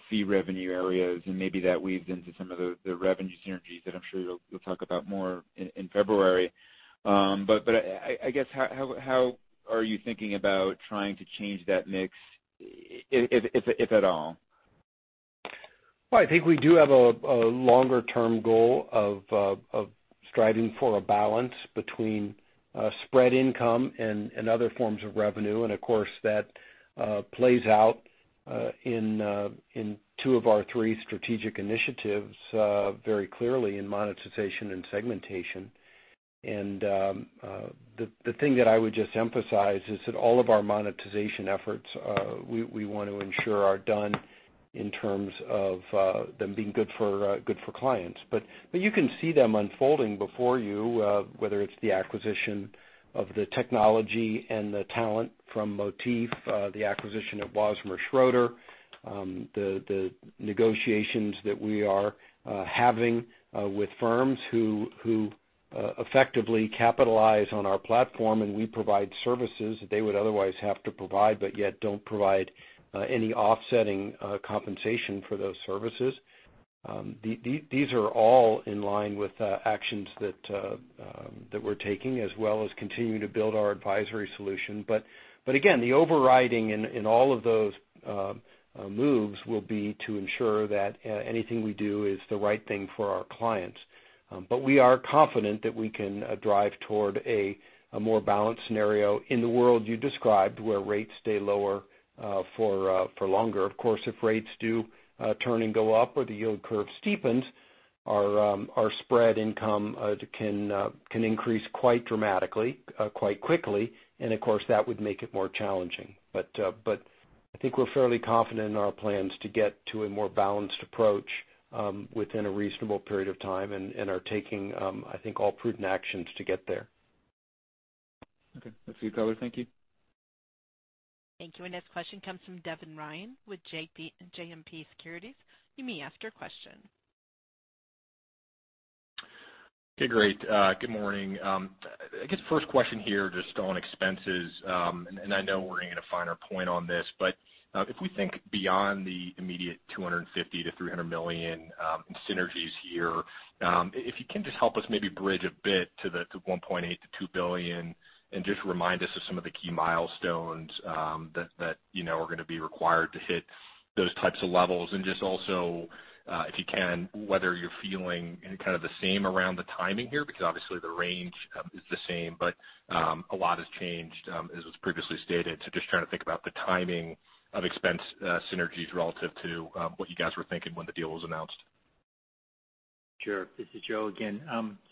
fee revenue areas? That weaves into some of the revenue synergies that I'm sure you'll talk about more in February. How are you thinking about trying to change that mix, if at all? Well, I think we do have a longer-term goal of striving for a balance between spread income and other forms of revenue. Of course, that plays out in two of our three strategic initiatives very clearly in monetization and segmentation. The thing that I would just emphasize is that all of our monetization efforts we want to ensure are done in terms of them being good for clients. You can see them unfolding before you, whether it's the acquisition of the technology and the talent from Motif, the acquisition of Wasmer Schroeder, the negotiations that we are having with firms who effectively capitalize on our platform and we provide services that they would otherwise have to provide, but yet don't provide any offsetting compensation for those services. These are all in line with actions that we're taking, as well as continuing to build our advisory solution. Again, the overriding in all of those moves will be to ensure that anything we do is the right thing for our clients. We are confident that we can drive toward a more balanced scenario in the world you described, where rates stay lower for longer. Of course, if rates do turn and go up or the yield curve steepens, our spread income can increase quite dramatically, quite quickly, and of course, that would make it more challenging. I think we're fairly confident in our plans to get to a more balanced approach within a reasonable period of time and are taking I think all prudent actions to get there. Okay. That's it all. Thank you. Thank you. Our next question comes from Devin Ryan with JMP Securities. You may ask your question. Okay, great. Good morning. I guess first question here, just on expenses. I know we're going to get a finer point on this, but if we think beyond the immediate $250 million-$300 million in synergies here, if you can just help us maybe bridge a bit to the $1.8 billion-$2 billion and just remind us of some of the key milestones that are going to be required to hit those types of levels. Just also, if you can, whether you're feeling kind of the same around the timing here, because obviously the range is the same, but a lot has changed as was previously stated. Just trying to think about the timing of expense synergies relative to what you guys were thinking when the deal was announced. Sure. This is Joe again.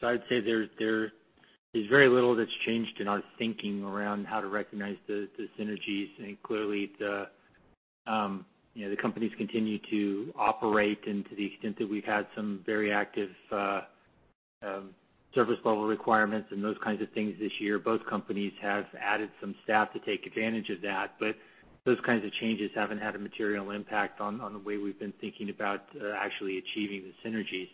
I'd say there is very little that's changed in our thinking around how to recognize the synergies. Clearly, the companies continue to operate and to the extent that we've had some very active service level requirements and those kinds of things this year. Both companies have added some staff to take advantage of that. Those kinds of changes haven't had a material impact on the way we've been thinking about actually achieving the synergies.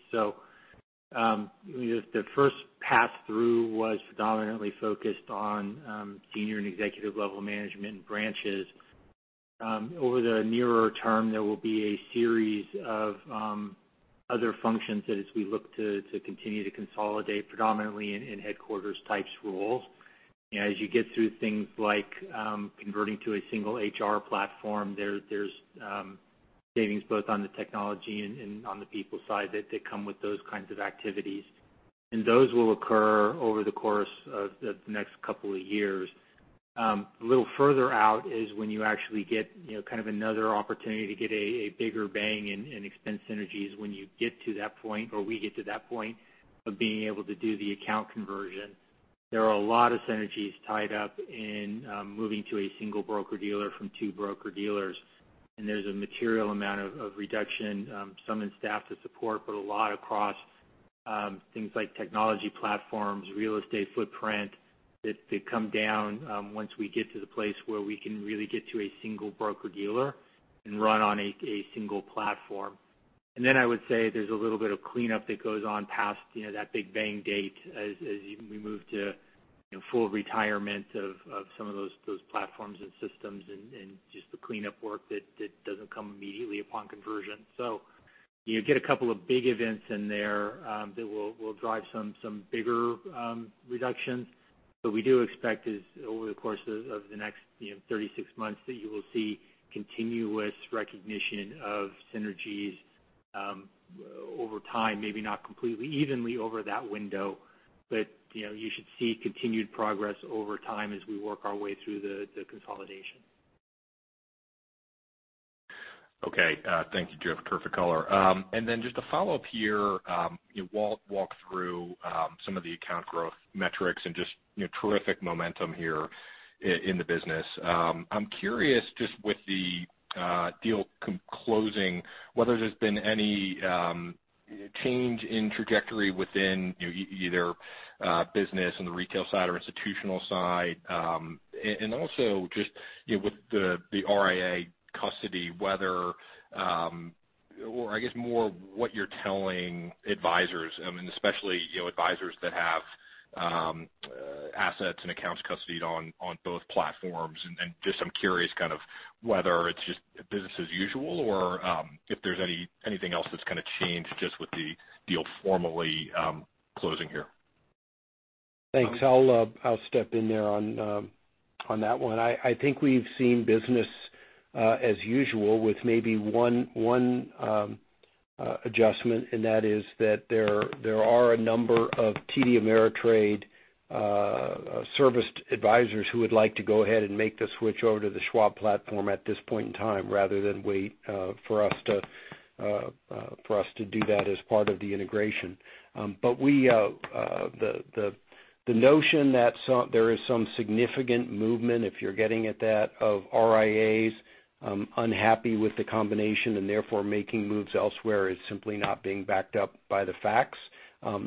The first pass-through was predominantly focused on senior and executive level management and branches. Over the nearer term, there will be a series of other functions that as we look to continue to consolidate predominantly in headquarters types roles. As you get through things like converting to a single HR platform, there's savings both on the technology and on the people side that come with those kinds of activities. Those will occur over the course of the next couple of years. A little further out is when you actually get kind of another opportunity to get a bigger bang in expense synergies when you get to that point or we get to that point of being able to do the account conversion. There are a lot of synergies tied up in moving to a single broker-dealer from two broker-dealers. There's a material amount of reduction, some in staff to support, but a lot across things like technology platforms, real estate footprint that come down once we get to the place where we can really get to a single broker-dealer and run on a single platform. I would say there's a little bit of cleanup that goes on past that big bang date as we move to full retirement of some of those platforms and systems and just the cleanup work that doesn't come immediately upon conversion. You get a couple of big events in there that will drive some bigger reductions. We do expect is over the course of the next 36 months that you will see continuous recognition of synergies over time. Maybe not completely evenly over that window, but you should see continued progress over time as we work our way through the consolidation. Okay. Thank you, Joe. Just a follow-up here. Walt walked through some of the account growth metrics and just terrific momentum here in the business. I'm curious, just with the deal closing, whether there's been any change in trajectory within either business in the retail side or institutional side. Just with the RIA custody, I guess more what you're telling advisors, especially advisors that have assets and accounts custodied on both platforms. I'm curious kind of whether it's just business as usual or if there's anything else that's kind of changed just with the deal formally closing here. Thanks. I'll step in there on that one. I think we've seen business as usual with maybe one adjustment, and that is that there are a number of TD Ameritrade-serviced advisors who would like to go ahead and make the switch over to the Schwab platform at this point in time, rather than wait for us to do that as part of the integration. The notion that there is some significant movement, if you're getting at that, of RIAs unhappy with the combination and therefore making moves elsewhere is simply not being backed up by the facts.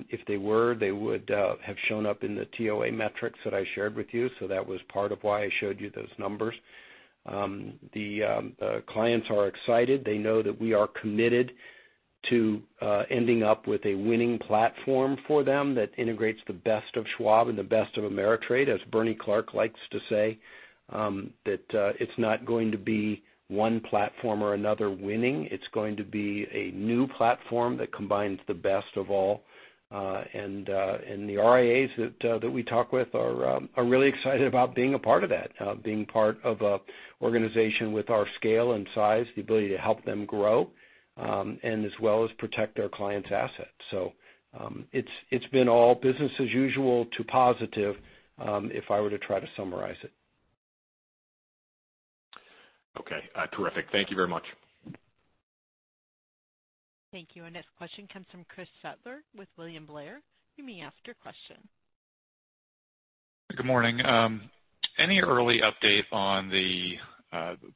If they were, they would have shown up in the TOA metrics that I shared with you. That was part of why I showed you those numbers. The clients are excited. They know that we are committed to ending up with a winning platform for them that integrates the best of Schwab and the best of Ameritrade. As Bernie Clark likes to say, that it's not going to be one platform or another winning. It's going to be a new platform that combines the best of all. The RIAs that we talk with are really excited about being a part of that, being part of an organization with our scale and size, the ability to help them grow, as well as protect our clients' assets. It's been all business as usual to positive, if I were to try to summarize it. Okay. Terrific. Thank you very much. Thank you. Our next question comes from Chris Shutler with William Blair. You may ask your question. Good morning. Any early update on the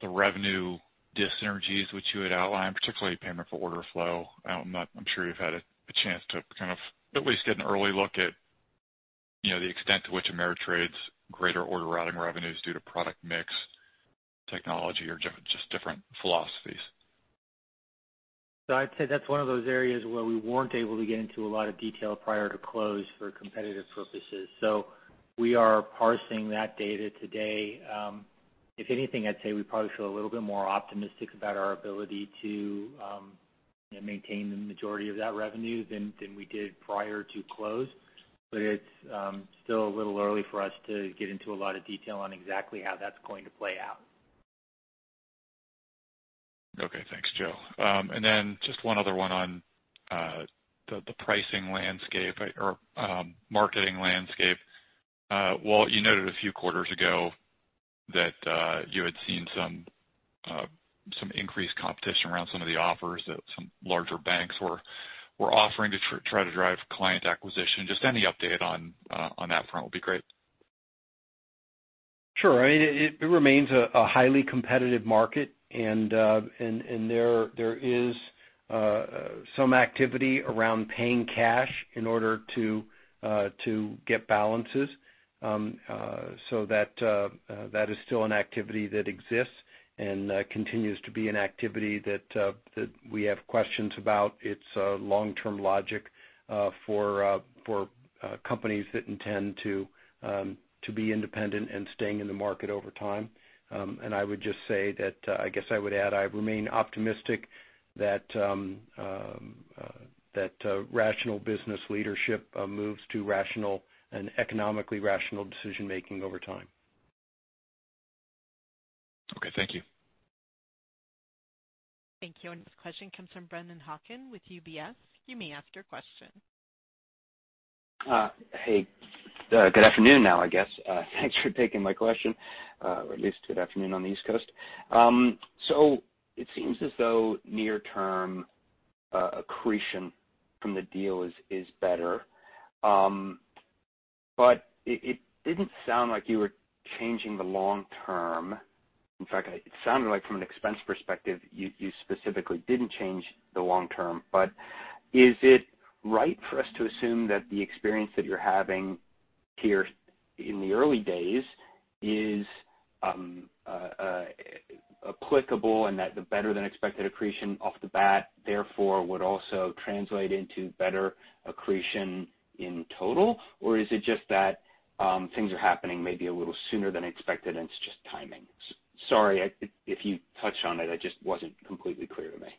revenue dyssynergies which you had outlined, particularly payment for order flow? I'm sure you've had a chance to kind of at least get an early look at the extent to which Ameritrade's greater order routing revenue is due to product mix, technology, or just different philosophies. I'd say that's one of those areas where we weren't able to get into a lot of detail prior to close for competitive purposes. We are parsing that data today. If anything, I'd say we probably feel a little bit more optimistic about our ability to maintain the majority of that revenue than we did prior to close. It's still a little early for us to get into a lot of detail on exactly how that's going to play out. Okay, thanks, Joe. Just one other one on the pricing landscape or marketing landscape. Walt, you noted a few quarters ago that you had seen some increased competition around some of the offers that some larger banks were offering to try to drive client acquisition. Just any update on that front would be great. Sure. It remains a highly competitive market, and there is some activity around paying cash in order to get balances. That is still an activity that exists and continues to be an activity that we have questions about its long-term logic for companies that intend to be independent and staying in the market over time. I would just say that, I guess I would add, I remain optimistic that rational business leadership moves to rational and economically rational decision-making over time. Okay, thank you. Thank you. Our next question comes from Brennan Hawken with UBS. You may ask your question. Hey. Good afternoon now, I guess. Thanks for taking my question, or at least good afternoon on the East Coast. It seems as though near-term accretion from the deal is better. It didn't sound like you were changing the long term. In fact, it sounded like from an expense perspective, you specifically didn't change the long term. Is it right for us to assume that the experience that you're having here in the early days is applicable and that the better-than-expected accretion off the bat, therefore, would also translate into better accretion in total? Is it just that things are happening maybe a little sooner than expected and it's just timing? Sorry if you touched on it. It just wasn't completely clear to me.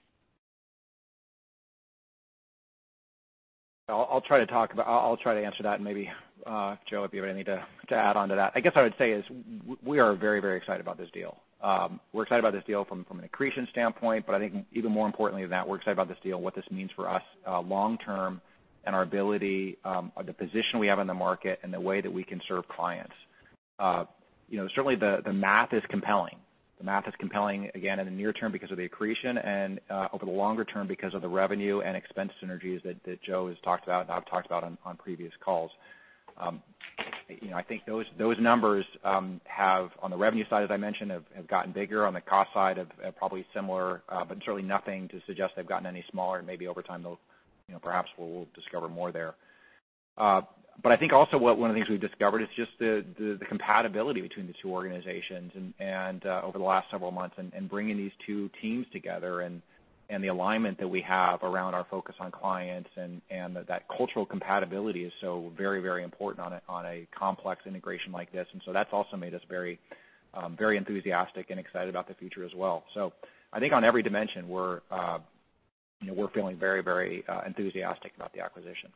I'll try to answer that and maybe, Joe, if you have anything to add onto that. I guess I would say is we are very excited about this deal. We're excited about this deal from an accretion standpoint, but I think even more importantly than that, we're excited about this deal and what this means for us long term and our ability, the position we have in the market, and the way that we can serve clients. Certainly the math is compelling. The math is compelling, again, in the near term because of the accretion and over the longer term because of the revenue and expense synergies that Joe has talked about and I've talked about on previous calls. I think those numbers have, on the revenue side, as I mentioned, have gotten bigger. On the cost side, probably similar, but certainly nothing to suggest they've gotten any smaller. Maybe over time, perhaps we'll discover more there. I think also one of the things we've discovered is just the compatibility between the two organizations over the last several months and bringing these two teams together, and the alignment that we have around our focus on clients, and that cultural compatibility is so very important on a complex integration like this. That's also made us very enthusiastic and excited about the future as well. I think on every dimension, we're feeling very enthusiastic about the acquisition.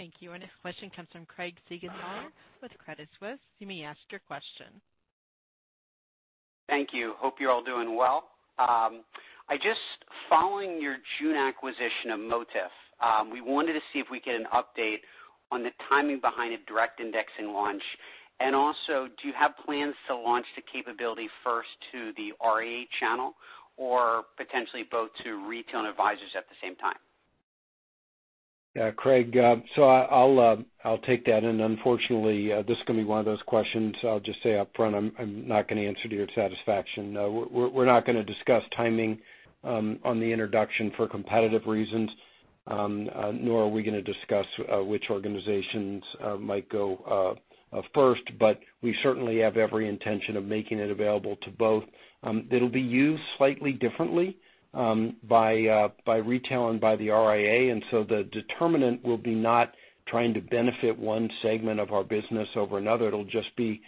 Thank you. Our next question comes from Craig Siegenthaler with Credit Suisse. You may ask your question. Thank you. Hope you're all doing well. Just following your June acquisition of Motif, we wanted to see if we could get an update on the timing behind a direct indexing launch. Also, do you have plans to launch the capability first to the RIA channel or potentially both to retail and advisors at the same time? Yeah, Craig. I'll take that. Unfortunately, this is going to be one of those questions I'll just say up front, I'm not going to answer to your satisfaction. We're not going to discuss timing on the introduction for competitive reasons, nor are we going to discuss which organizations might go first. We certainly have every intention of making it available to both. It'll be used slightly differently by retail and by the RIA. The determinant will be not trying to benefit one segment of our business over another. It'll just be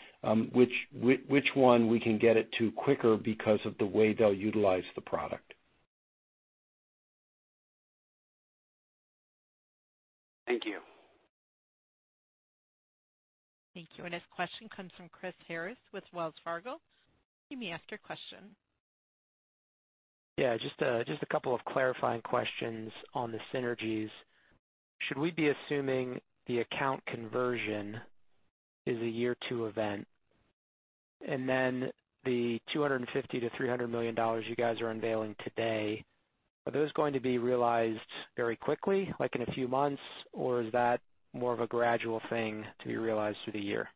which one we can get it to quicker because of the way they'll utilize the product. Thank you. Thank you. Our next question comes from Chris Harris with Wells Fargo. You may ask your question. Yeah, just a couple of clarifying questions on the synergies. Should we be assuming the account conversion is a year two event? The $250 million-$300 million you guys are unveiling today, are those going to be realized very quickly, like in a few months, or is that more of a gradual thing to be realized through the year?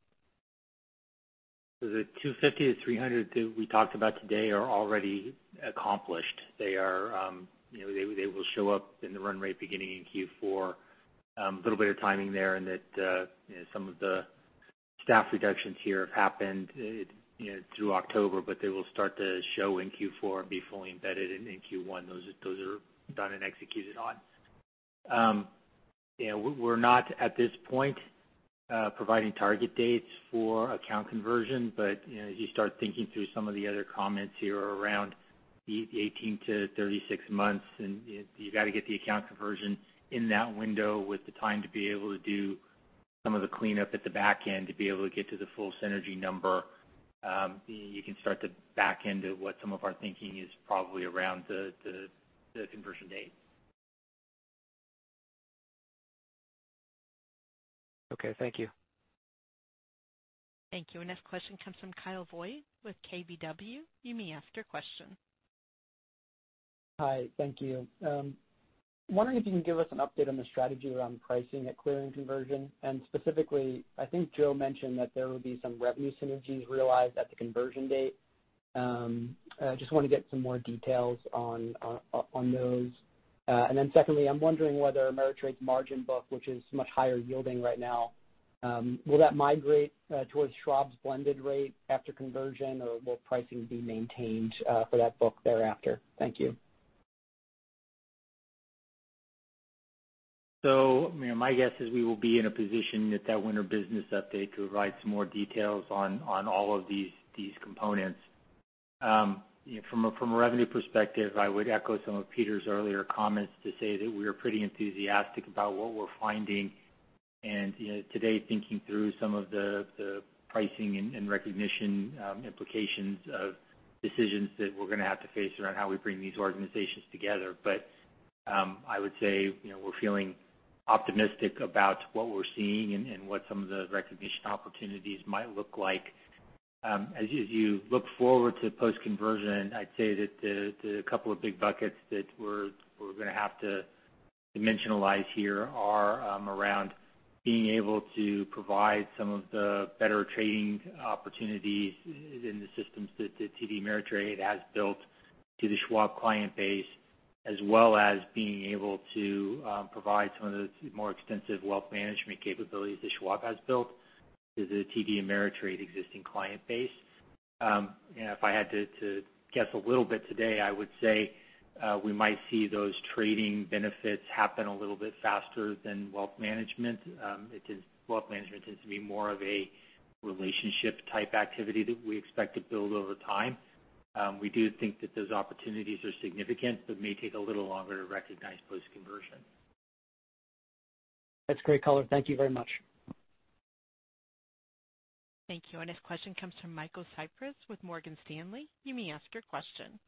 The 250-300 that we talked about today are already accomplished. They will show up in the run rate beginning in Q4. A little bit of timing there in that some of the staff reductions here have happened through October, but they will start to show in Q4 and be fully embedded in Q1. Those are done and executed on. We're not, at this point, providing target dates for account conversion. As you start thinking through some of the other comments here around the 18-36 months, and you've got to get the account conversion in that window with the time to be able to do some of the cleanup at the back end to be able to get to the full synergy number. You can start to back into what some of our thinking is probably around the conversion date. Okay, thank you. Thank you. Our next question comes from Kyle Voigt with KBW. You may ask your question. Hi. Thank you. Wondering if you can give us an update on the strategy around pricing at clearing conversion, and specifically, I think Joe mentioned that there would be some revenue synergies realized at the conversion date. I just want to get some more details on those. Secondly, I'm wondering whether Ameritrade's margin book, which is much higher yielding right now, will that migrate towards Schwab's blended rate after conversion, or will pricing be maintained for that book thereafter? Thank you. My guess is we will be in a position at that winter business update to provide some more details on all of these components. From a revenue perspective, I would echo some of Peter's earlier comments to say that we are pretty enthusiastic about what we're finding, and today thinking through some of the pricing and recognition implications of decisions that we're going to have to face around how we bring these organizations together. I would say we're feeling optimistic about what we're seeing and what some of the recognition opportunities might look like. As you look forward to post-conversion, I'd say that the couple of big buckets that we're going to have to dimensionalize here are around being able to provide some of the better trading opportunities in the systems that TD Ameritrade has built to the Schwab client base, as well as being able to provide some of the more extensive wealth management capabilities that Schwab has built to the TD Ameritrade existing client base. If I had to guess a little bit today, I would say we might see those trading benefits happen a little bit faster than wealth management. Wealth management tends to be more of a relationship type activity that we expect to build over time. We do think that those opportunities are significant but may take a little longer to recognize post-conversion. That's great color. Thank you very much. Thank you. Our next question comes from Michael Cyprys with Morgan Stanley. You may ask your question.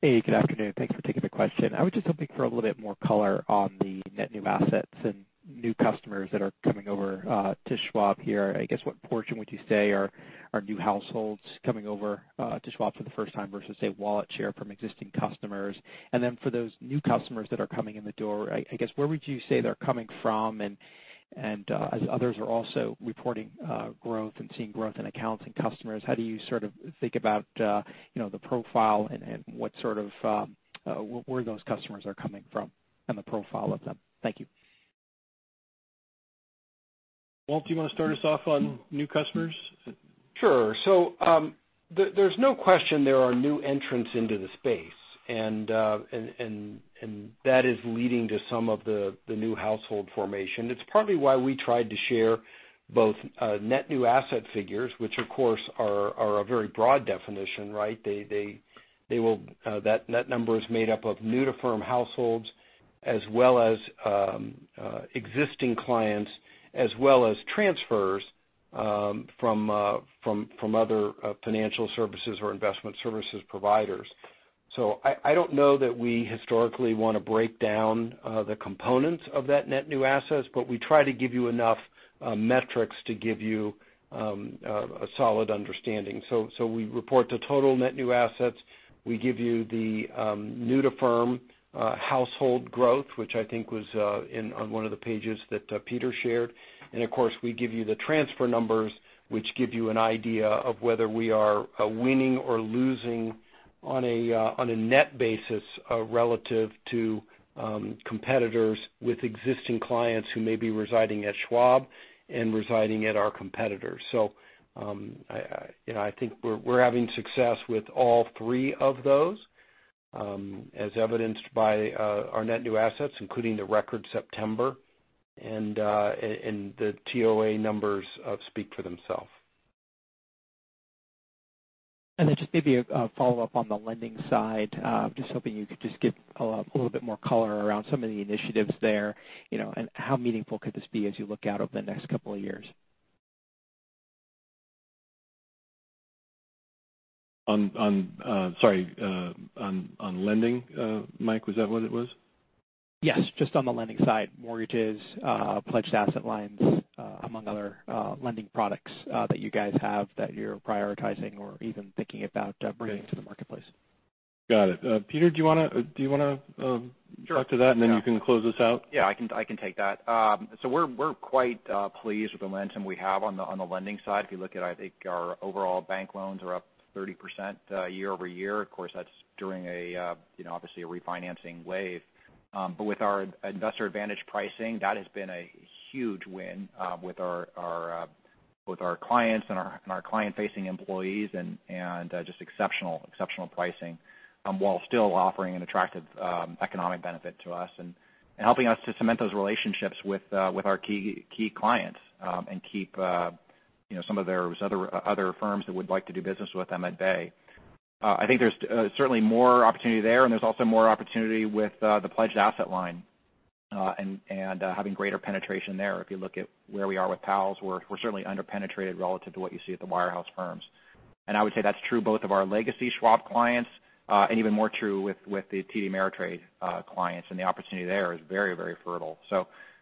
Hey, good afternoon. Thanks for taking the question. I was just hoping for a little bit more color on the net new assets and new customers that are coming over to Schwab here. I guess what portion would you say are new households coming over to Schwab for the first time versus, say, wallet share from existing customers? For those new customers that are coming in the door, I guess, where would you say they're coming from and, as others are also reporting growth and seeing growth in accounts and customers, how do you sort of think about the profile and where those customers are coming from and the profile of them? Thank you. Walt, do you want to start us off on new customers? Sure. There's no question there are new entrants into the space, and that is leading to some of the new household formation. It's partly why we tried to share both net new asset figures, which of course are a very broad definition, right? That net number is made up of new-to-firm households as well as existing clients, as well as transfers from other financial services or investment services providers. I don't know that we historically want to break down the components of that net new assets, but we try to give you enough metrics to give you a solid understanding. We report the total net new assets. We give you the new-to-firm household growth, which I think was on one of the pages that Peter shared. Of course, we give you the transfer numbers, which give you an idea of whether we are winning or losing on a net basis relative to competitors with existing clients who may be residing at Schwab and residing at our competitors. I think we're having success with all three of those, as evidenced by our net new assets, including the record September, and the TOA numbers speak for themselves. Just maybe a follow-up on the lending side. I'm just hoping you could just give a little bit more color around some of the initiatives there, and how meaningful could this be as you look out over the next couple of years? Sorry, on lending, Mike, was that what it was? Yes, just on the lending side, mortgages, Pledged Asset Lines, among other lending products that you guys have that you're prioritizing or even thinking about bringing to the marketplace. Got it. Peter, do you want to talk to that, and then you can close us out? Yeah, I can take that. We're quite pleased with the momentum we have on the lending side. If you look at, our overall bank loans are up 30% year-over-year. Of course, that's during a refinancing wave. With our Investor Advantage Pricing, that has been a huge win with both our clients and our client-facing employees and just exceptional pricing while still offering an attractive economic benefit to us and helping us to cement those relationships with our key clients and keep some of those other firms that would like to do business with them at bay. I think there's certainly more opportunity there, and there's also more opportunity with the pledged asset line and having greater penetration there. If you look at where we are with PALs, we're certainly under-penetrated relative to what you see at the wire house firms. I would say that's true both of our legacy Schwab clients and even more true with the TD Ameritrade clients, and the opportunity there is very fertile.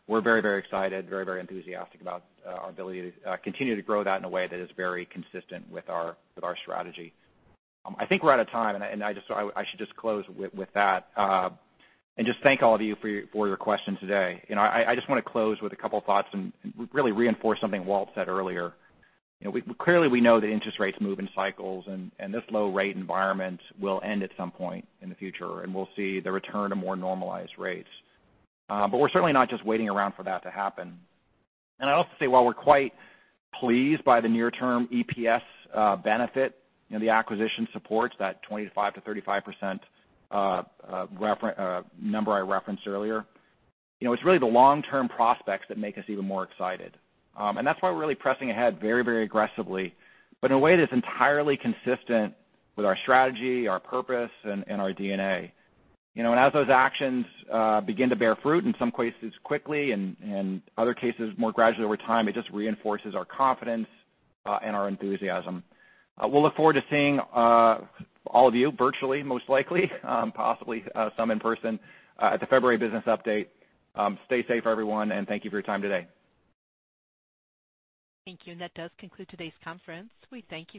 We're very excited, very enthusiastic about our ability to continue to grow that in a way that is very consistent with our strategy. I think we're out of time, and I should just close with that and just thank all of you for your questions today. I just want to close with a couple thoughts and really reinforce something Walt said earlier. Clearly, we know that interest rates move in cycles, and this low-rate environment will end at some point in the future, and we'll see the return to more normalized rates. We're certainly not just waiting around for that to happen. I'd also say, while we're quite pleased by the near-term EPS benefit the acquisition supports, that 25%-35% number I referenced earlier, it's really the long-term prospects that make us even more excited. That's why we're really pressing ahead very aggressively, but in a way that's entirely consistent with our strategy, our purpose, and our DNA. As those actions begin to bear fruit, in some cases quickly and other cases more gradually over time, it just reinforces our confidence and our enthusiasm. We'll look forward to seeing all of you virtually, most likely, possibly some in person, at the February business update. Stay safe, everyone, and thank you for your time today. Thank you. That does conclude today's conference. We thank you.